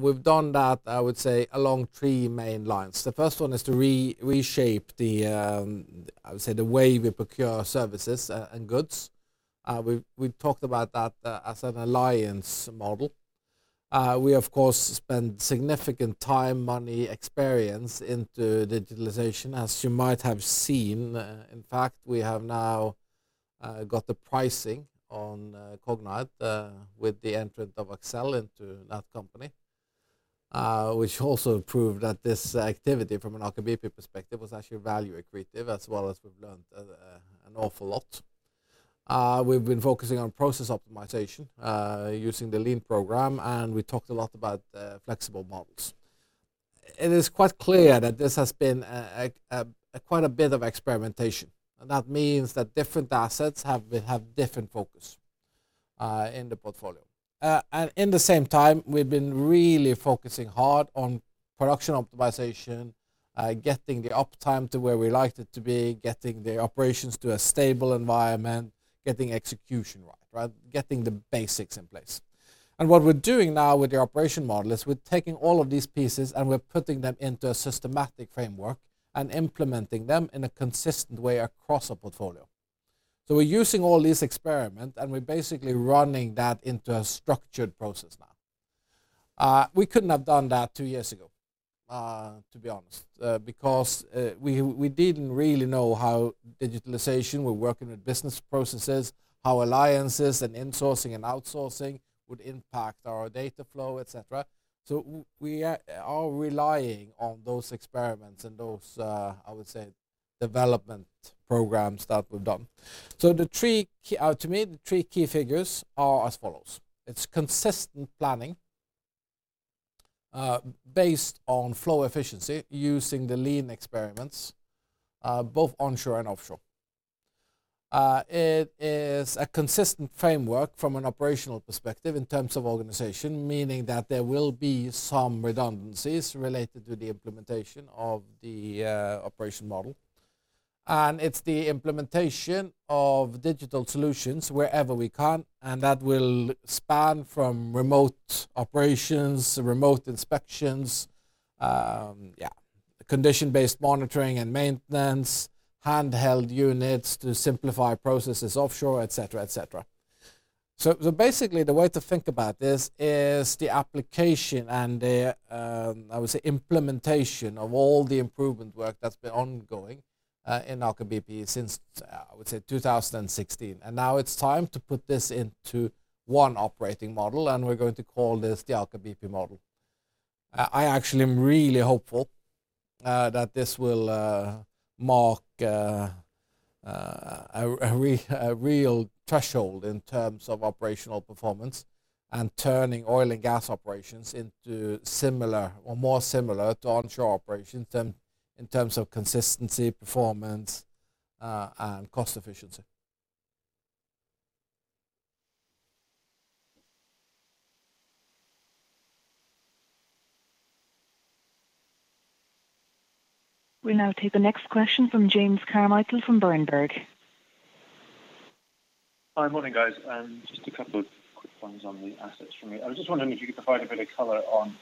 We've done that, I would say, along three main lines. The first one is to reshape the, I would say, the way we procure services and goods. We talked about that as an alliance model. We of course spend significant time, money, experience into digitalization, as you might have seen. In fact, we have now got the pricing on Cognite with the entrant of Accel into that company which also proved that this activity from an Aker BP perspective was actually value accretive as well as we've learned an awful lot. We've been focusing on process optimization using the Lean program, and we talked a lot about flexible models. It is quite clear that this has been quite a bit of experimentation, and that means that different assets have different focus in the portfolio. In the same time, we've been really focusing hard on production optimization, getting the uptime to where we like it to be, getting the operations to a stable environment, getting execution right, getting the basics in place. What we're doing now with the operation model is we're taking all of these pieces and we're putting them into a systematic framework and implementing them in a consistent way across our portfolio. We're using all these experiment and we're basically running that into a structured process now. We couldn't have done that two years ago, to be honest because we didn't really know how digitalization, we're working with business processes, how alliances and insourcing and outsourcing would impact our data flow, et cetera. We are relying on those experiments and those, I would say, development programs that we've done. To me, the three key figures are as follows. It's consistent planning based on flow efficiency using the Lean experiments both onshore and offshore. It is a consistent framework from an operational perspective in terms of organization, meaning that there will be some redundancies related to the implementation of the operation model. It's the implementation of digital solutions wherever we can, and that will span from remote operations, remote inspections, condition-based monitoring and maintenance, handheld units to simplify processes offshore, et cetera. Basically the way to think about this is the application and the, I would say, implementation of all the improvement work that's been ongoing in Aker BP since, I would say 2016. Now it's time to put this into one operating model, and we're going to call this the Aker BP model. I actually am really hopeful that this will mark a real threshold in terms of operational performance and turning oil and gas operations into more similar to onshore operations in terms of consistency, performance, and cost efficiency. We'll now take the next question from James Carmichael from Berenberg. Hi. Morning, guys. Just a couple of quick ones on the assets for me. I was just wondering if you could provide a bit of color on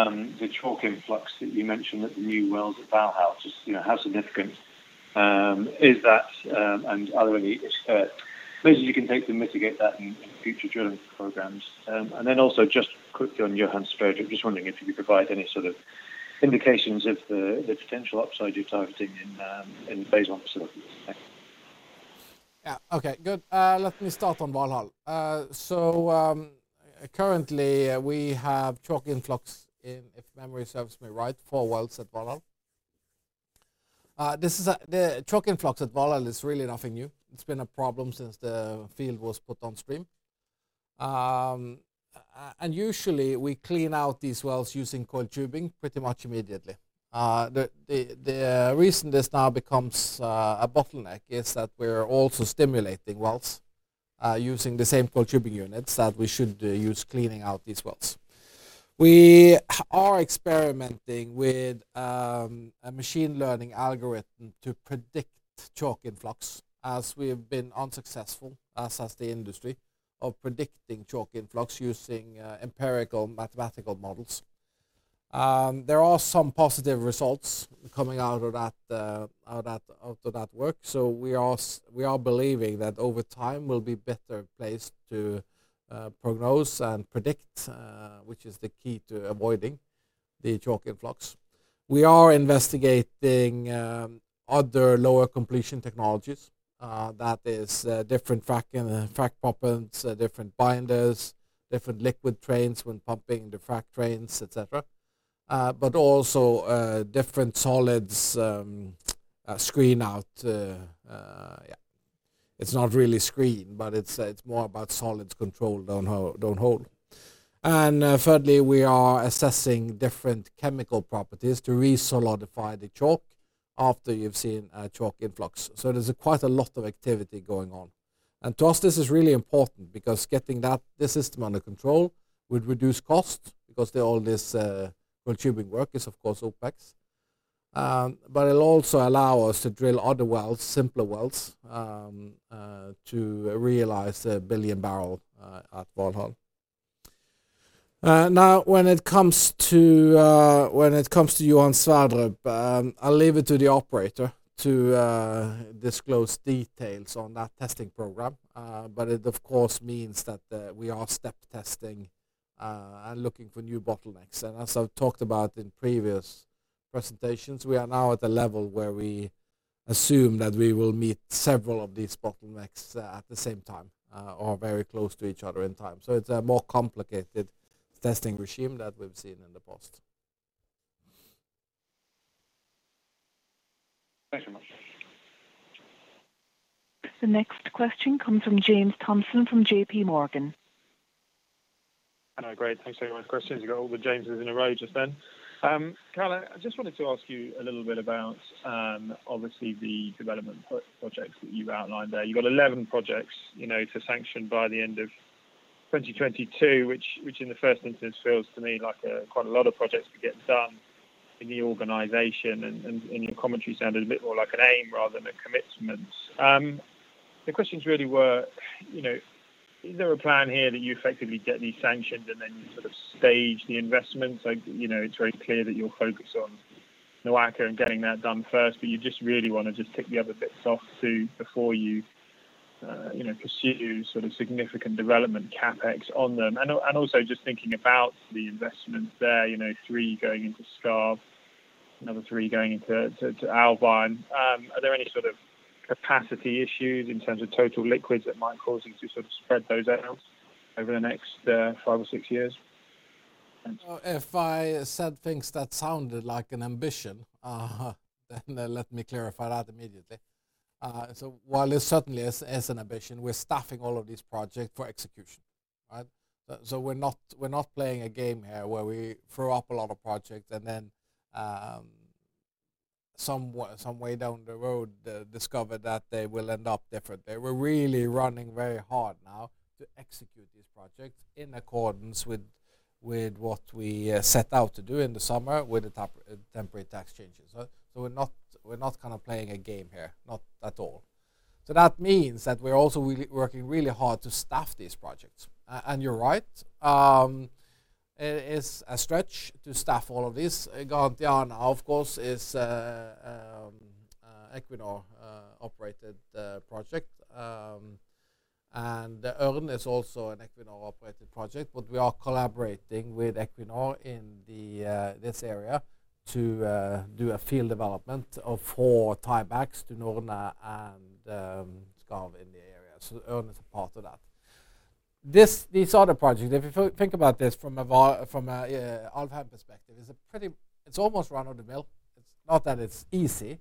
the chalk influx that you mentioned at the new wells at Valhall. Just how significant is that, and are there any measures you can take to mitigate that in future drilling programs? Then also, just quickly on Johan Sverdrup, I'm just wondering if you could provide any sort of indications of the potential upside you're targeting in phase one facilities. Thanks. Yeah. Okay, good. Let me start on Valhall. Currently, we have chalk influx in, if memory serves me right, four wells at Valhall. The chalk influx at Valhall is really nothing new. It's been a problem since the field was put on stream. Usually, we clean out these wells using coiled tubing pretty much immediately. The reason this now becomes a bottleneck is that we're also stimulating wells using the same coiled tubing units that we should use cleaning out these wells. We are experimenting with a machine learning algorithm to predict chalk influx, as we have been unsuccessful, us as the industry, of predicting chalk influx using empirical mathematical models. There are some positive results coming out of that work, so we are believing that over time we'll be better placed to prognose and predict, which is the key to avoiding the chalk influx. We are investigating other lower completion technologies, that is different frac pumps, different binders, different liquid trains when pumping the frac trains, et cetera. Also different solids screen out. It's not really screen, but it's more about solids control downhole. Thirdly, we are assessing different chemical properties to re-solidify the chalk after you've seen a chalk influx. There's quite a lot of activity going on. To us, this is really important because getting the system under control would reduce cost because all this coiled tubing work is, of course, OpEx. It'll also allow us to drill other wells, simpler wells, to realize a 1 billion bbl at Valhall. Now, when it comes to Johan Sverdrup, I'll leave it to the operator to disclose details on that testing program. It, of course, means that we are step testing and looking for new bottlenecks. As I've talked about in previous presentations, we are now at a level where we assume that we will meet several of these bottlenecks at the same time, or very close to each other in time. It's a more complicated testing regime that we've seen in the past. Thanks very much. The next question comes from James Thompson from JPMorgan. Hello, great. Thanks very much. Questions, you got all the James in a row just then. Karl, I just wanted to ask you a little bit about, obviously, the development projects that you've outlined there. You've got 11 projects to sanction by the end of 2022, which in the first instance feels to me like quite a lot of projects to get done in the organization, and your commentary sounded a bit more like an aim rather than a commitment. The questions really were, is there a plan here that you effectively get these sanctioned and then you sort of stage the investments? It's very clear that you're focused on NOAKA and getting that done first, but you just really want to just tick the other bits off, too, before you pursue significant development CapEx on them. Also just thinking about the investments there, three going into Skarv, another three going into Alvheim. Are there any sort of capacity issues in terms of total liquids that might cause you to sort of spread those out over the next five or six years? Thanks. If I said things that sounded like an ambition, then let me clarify that immediately. While it certainly is an ambition, we're staffing all of these projects for execution. Right? We're not playing a game here where we throw up a lot of projects and then some way down the road discover that they will end up different. We're really running very hard now to execute these projects in accordance with what we set out to do in the summer with the temporary tax changes. We're not playing a game here. Not at all. That means that we're also working really hard to staff these projects. You're right, it is a stretch to staff all of this. Gardar, of course, is an Equinor-operated project, and Ørn is also an Equinor-operated project, but we are collaborating with Equinor in this area to do a field development of four tiebacks to Ørn and Skarv in the area. Ørn is a part of that. These are the projects. If you think about this from an Alvheim perspective, it's almost run-of-the-mill. It's not that it's easy.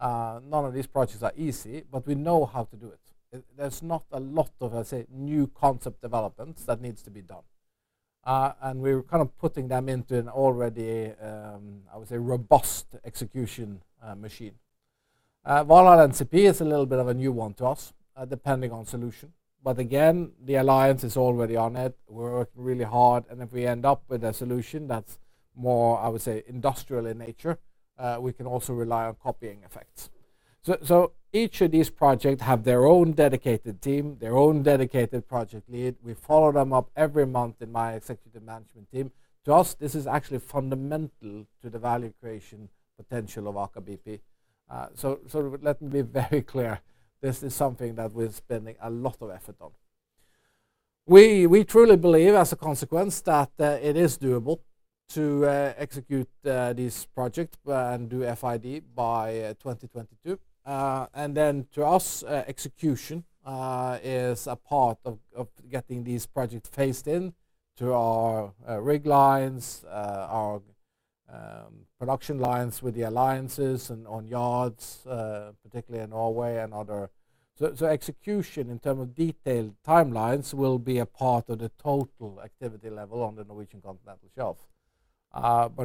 None of these projects are easy, but we know how to do it. There's not a lot of, say, new concept developments that needs to be done. We're kind of putting them into an already, I would say, robust execution machine. Valhall NCP is a little bit of a new one to us, depending on solution. Again, the alliance is already on it. We're working really hard, and if we end up with a solution that's more, I would say, industrial in nature, we can also rely on copying effects. Each of these projects have their own dedicated team, their own dedicated project lead. We follow them up every month in my executive management team. To us, this is actually fundamental to the value creation potential of Aker BP. Let me be very clear. This is something that we're spending a lot of effort on. We truly believe, as a consequence, that it is doable to execute these projects and do FID by 2022. To us, execution is a part of getting these projects phased in to our rig lines, our production lines with the alliances and on yards, particularly in Norway. Execution in terms of detailed timelines will be a part of the total activity level on the Norwegian Continental Shelf.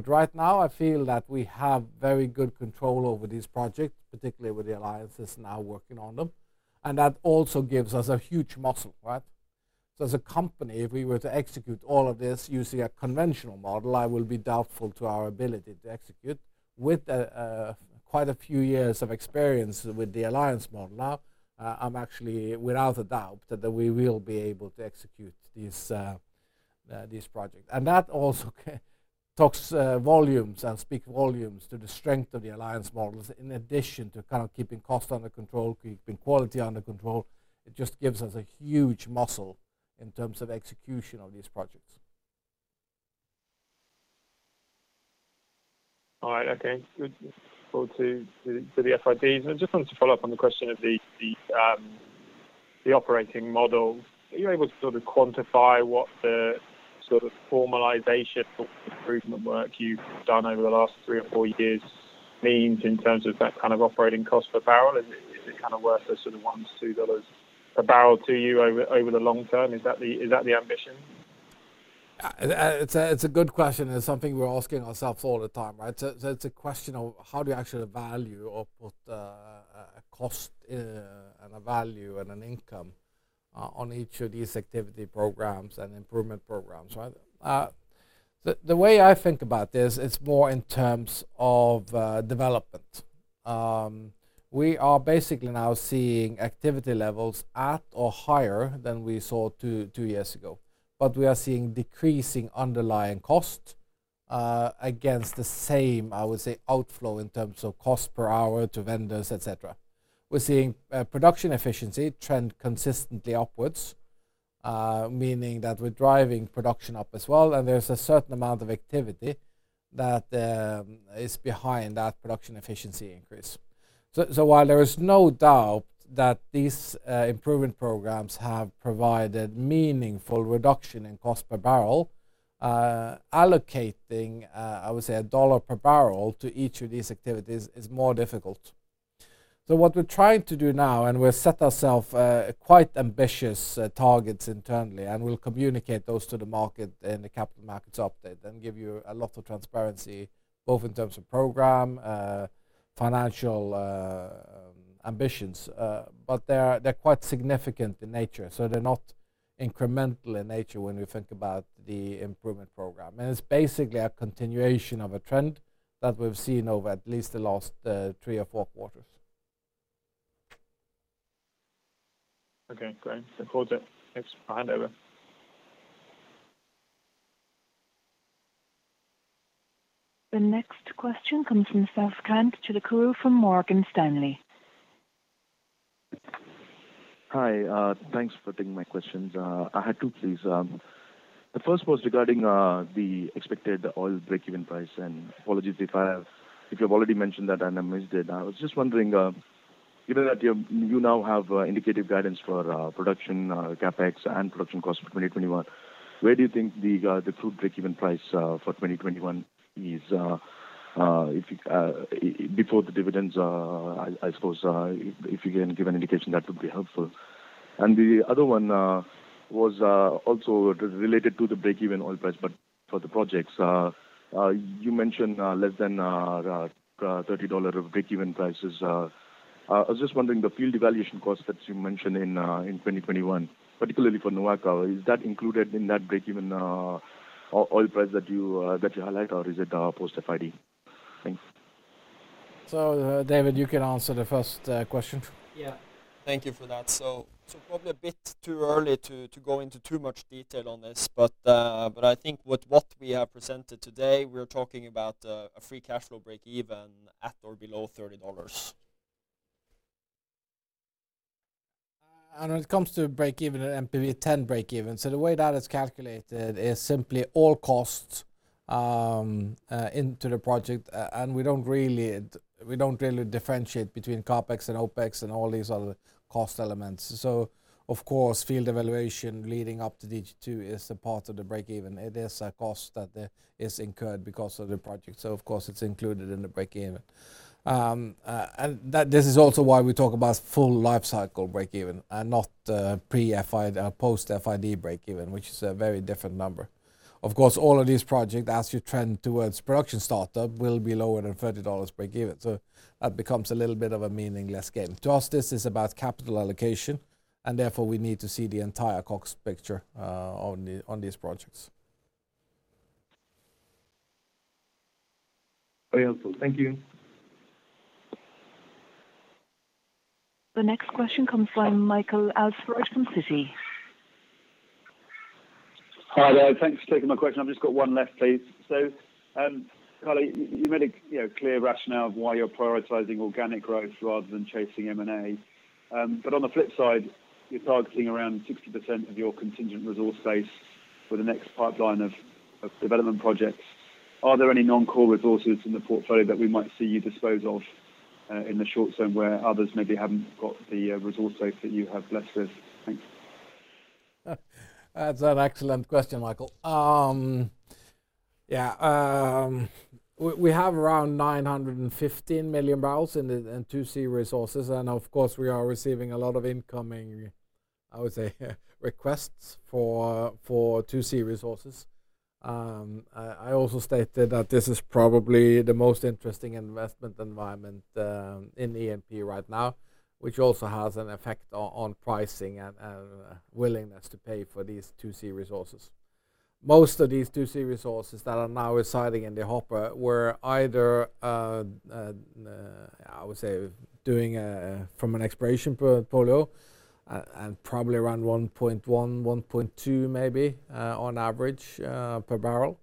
Right now, I feel that we have very good control over these projects, particularly with the alliances now working on them. That also gives us a huge muscle, right? As a company, if we were to execute all of this using a conventional model, I will be doubtful to our ability to execute. With quite a few years of experience with the alliance model now, I'm actually without a doubt that we will be able to execute these projects. That also talks volumes and speak volumes to the strength of the alliance models, in addition to kind of keeping cost under control, keeping quality under control. It just gives us a huge muscle in terms of execution of these projects. All right. Okay. Good. Look forward to the FIDs. I just wanted to follow up on the question of the operating model. Are you able to sort of quantify what the sort of formalization or improvement work you've done over the last three or four years means in terms of that kind of operating cost per barrel? Is it kind of worth a sort of $1, $2 a bbl to you over the long term? Is that the ambition? It's a good question, and it's something we're asking ourselves all the time, right? It's a question of how do you actually value or put a cost and a value and an income on each of these activity programs and improvement programs, right? The way I think about this, it's more in terms of development. We are basically now seeing activity levels at or higher than we saw two years ago, but we are seeing decreasing underlying cost against the same, I would say, outflow in terms of cost per hour to vendors, et cetera. We're seeing production efficiency trend consistently upwards, meaning that we're driving production up as well, and there's a certain amount of activity that is behind that production efficiency increase. While there is no doubt that these improvement programs have provided meaningful reduction in cost per barrel, allocating, I would say, $1 per bbl to each of these activities is more difficult. What we're trying to do now, and we've set ourselves quite ambitious targets internally, and we'll communicate those to the market in the capital markets update and give you a lot of transparency, both in terms of program, financial ambitions. They're quite significant in nature, so they're not incremental in nature when we think about the improvement program. It's basically a continuation of a trend that we've seen over at least the last three or four quarters. Okay, great. Look forward to it. Thanks. Hand over. The next question comes from Sasi Chilukuru from Morgan Stanley. Hi. Thanks for taking my questions. I had two, please. Apologies if you have already mentioned that and I missed it. I was just wondering, given that you now have indicative guidance for production CapEx and production cost for 2021, where do you think the crude break-even price for 2021 is? Before the dividends, I suppose if you can give an indication, that would be helpful. The other one was also related to the break-even oil price, but for the projects. You mentioned less than $30 of break-even prices. I was just wondering, the field evaluation cost that you mentioned in 2021, particularly for NOAKA, is that included in that break-even oil price that you highlight, or is it post-FID? Thanks. David, you can answer the first question. Yeah. Thank you for that. Probably a bit too early to go into too much detail on this, but I think with what we have presented today, we're talking about a free cash flow break even at or below $30. When it comes to break even and NPV10 break even, so the way that is calculated is simply all costs into the project. We don't really differentiate between CapEx and OpEx and all these other cost elements. Of course, field evaluation leading up to DG2 is a part of the breakeven. It is a cost that is incurred because of the project. Of course, it's included in the breakeven. This is also why we talk about full life cycle breakeven and not post FID breakeven, which is a very different number. Of course, all of these projects, as you trend towards production startup, will be lower than $30 breakeven. That becomes a little bit of a meaningless game. To us, this is about capital allocation, and therefore we need to see the entire cost picture on these projects. Very helpful. Thank you. The next question comes from Michael Alsford from Citi. Hi there. Thanks for taking my question. I've just got one left, please. Karl, you made a clear rationale of why you're prioritizing organic growth rather than chasing M&A. On the flip side, you're targeting around 60% of your contingent resource base for the next pipeline of development projects. Are there any non-core resources in the portfolio that we might see you dispose of in the short term where others maybe haven't got the resource base that you have blessed with? Thanks. That's an excellent question, Michael. We have around 915 million bbls in 2 C resources. Of course, we are receiving a lot of incoming, I would say, requests for 2 C resources. I also stated that this is probably the most interesting investment environment in E&P right now, which also has an effect on pricing and willingness to pay for these 2 C resources. Most of these 2 C resources that are now residing in the hopper were either, I would say, from an exploration portfolio and probably around $1.1, $1.2 maybe on average per barrel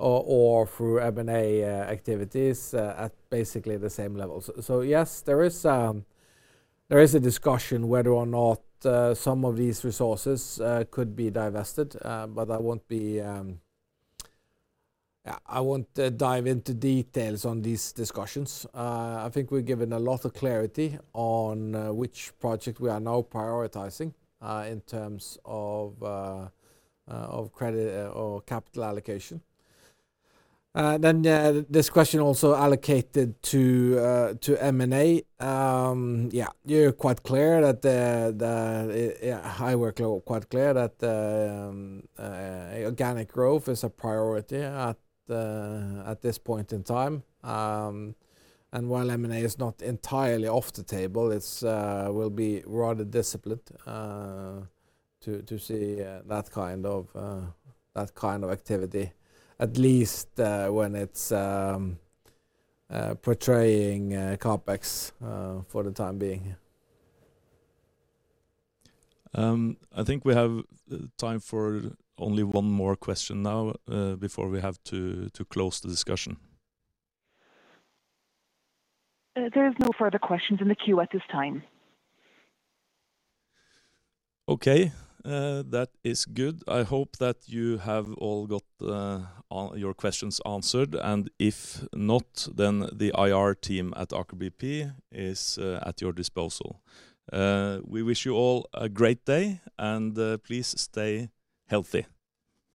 or through M&A activities at basically the same levels. Yes, there is a discussion whether or not some of these resources could be divested, but I won't dive into details on these discussions. I think we've given a lot of clarity on which project we are now prioritizing in terms of capital allocation. This question also allocated to M&A. You're quite clear that organic growth is a priority at this point in time. While M&A is not entirely off the table, we'll be rather disciplined to see that kind of activity, at least when it's portraying CapEx for the time being. I think we have time for only one more question now before we have to close the discussion. There is no further questions in the queue at this time. Okay. That is good. I hope that you have all got your questions answered, and if not, then the IR team at Aker BP is at your disposal. We wish you all a great day, and please stay healthy.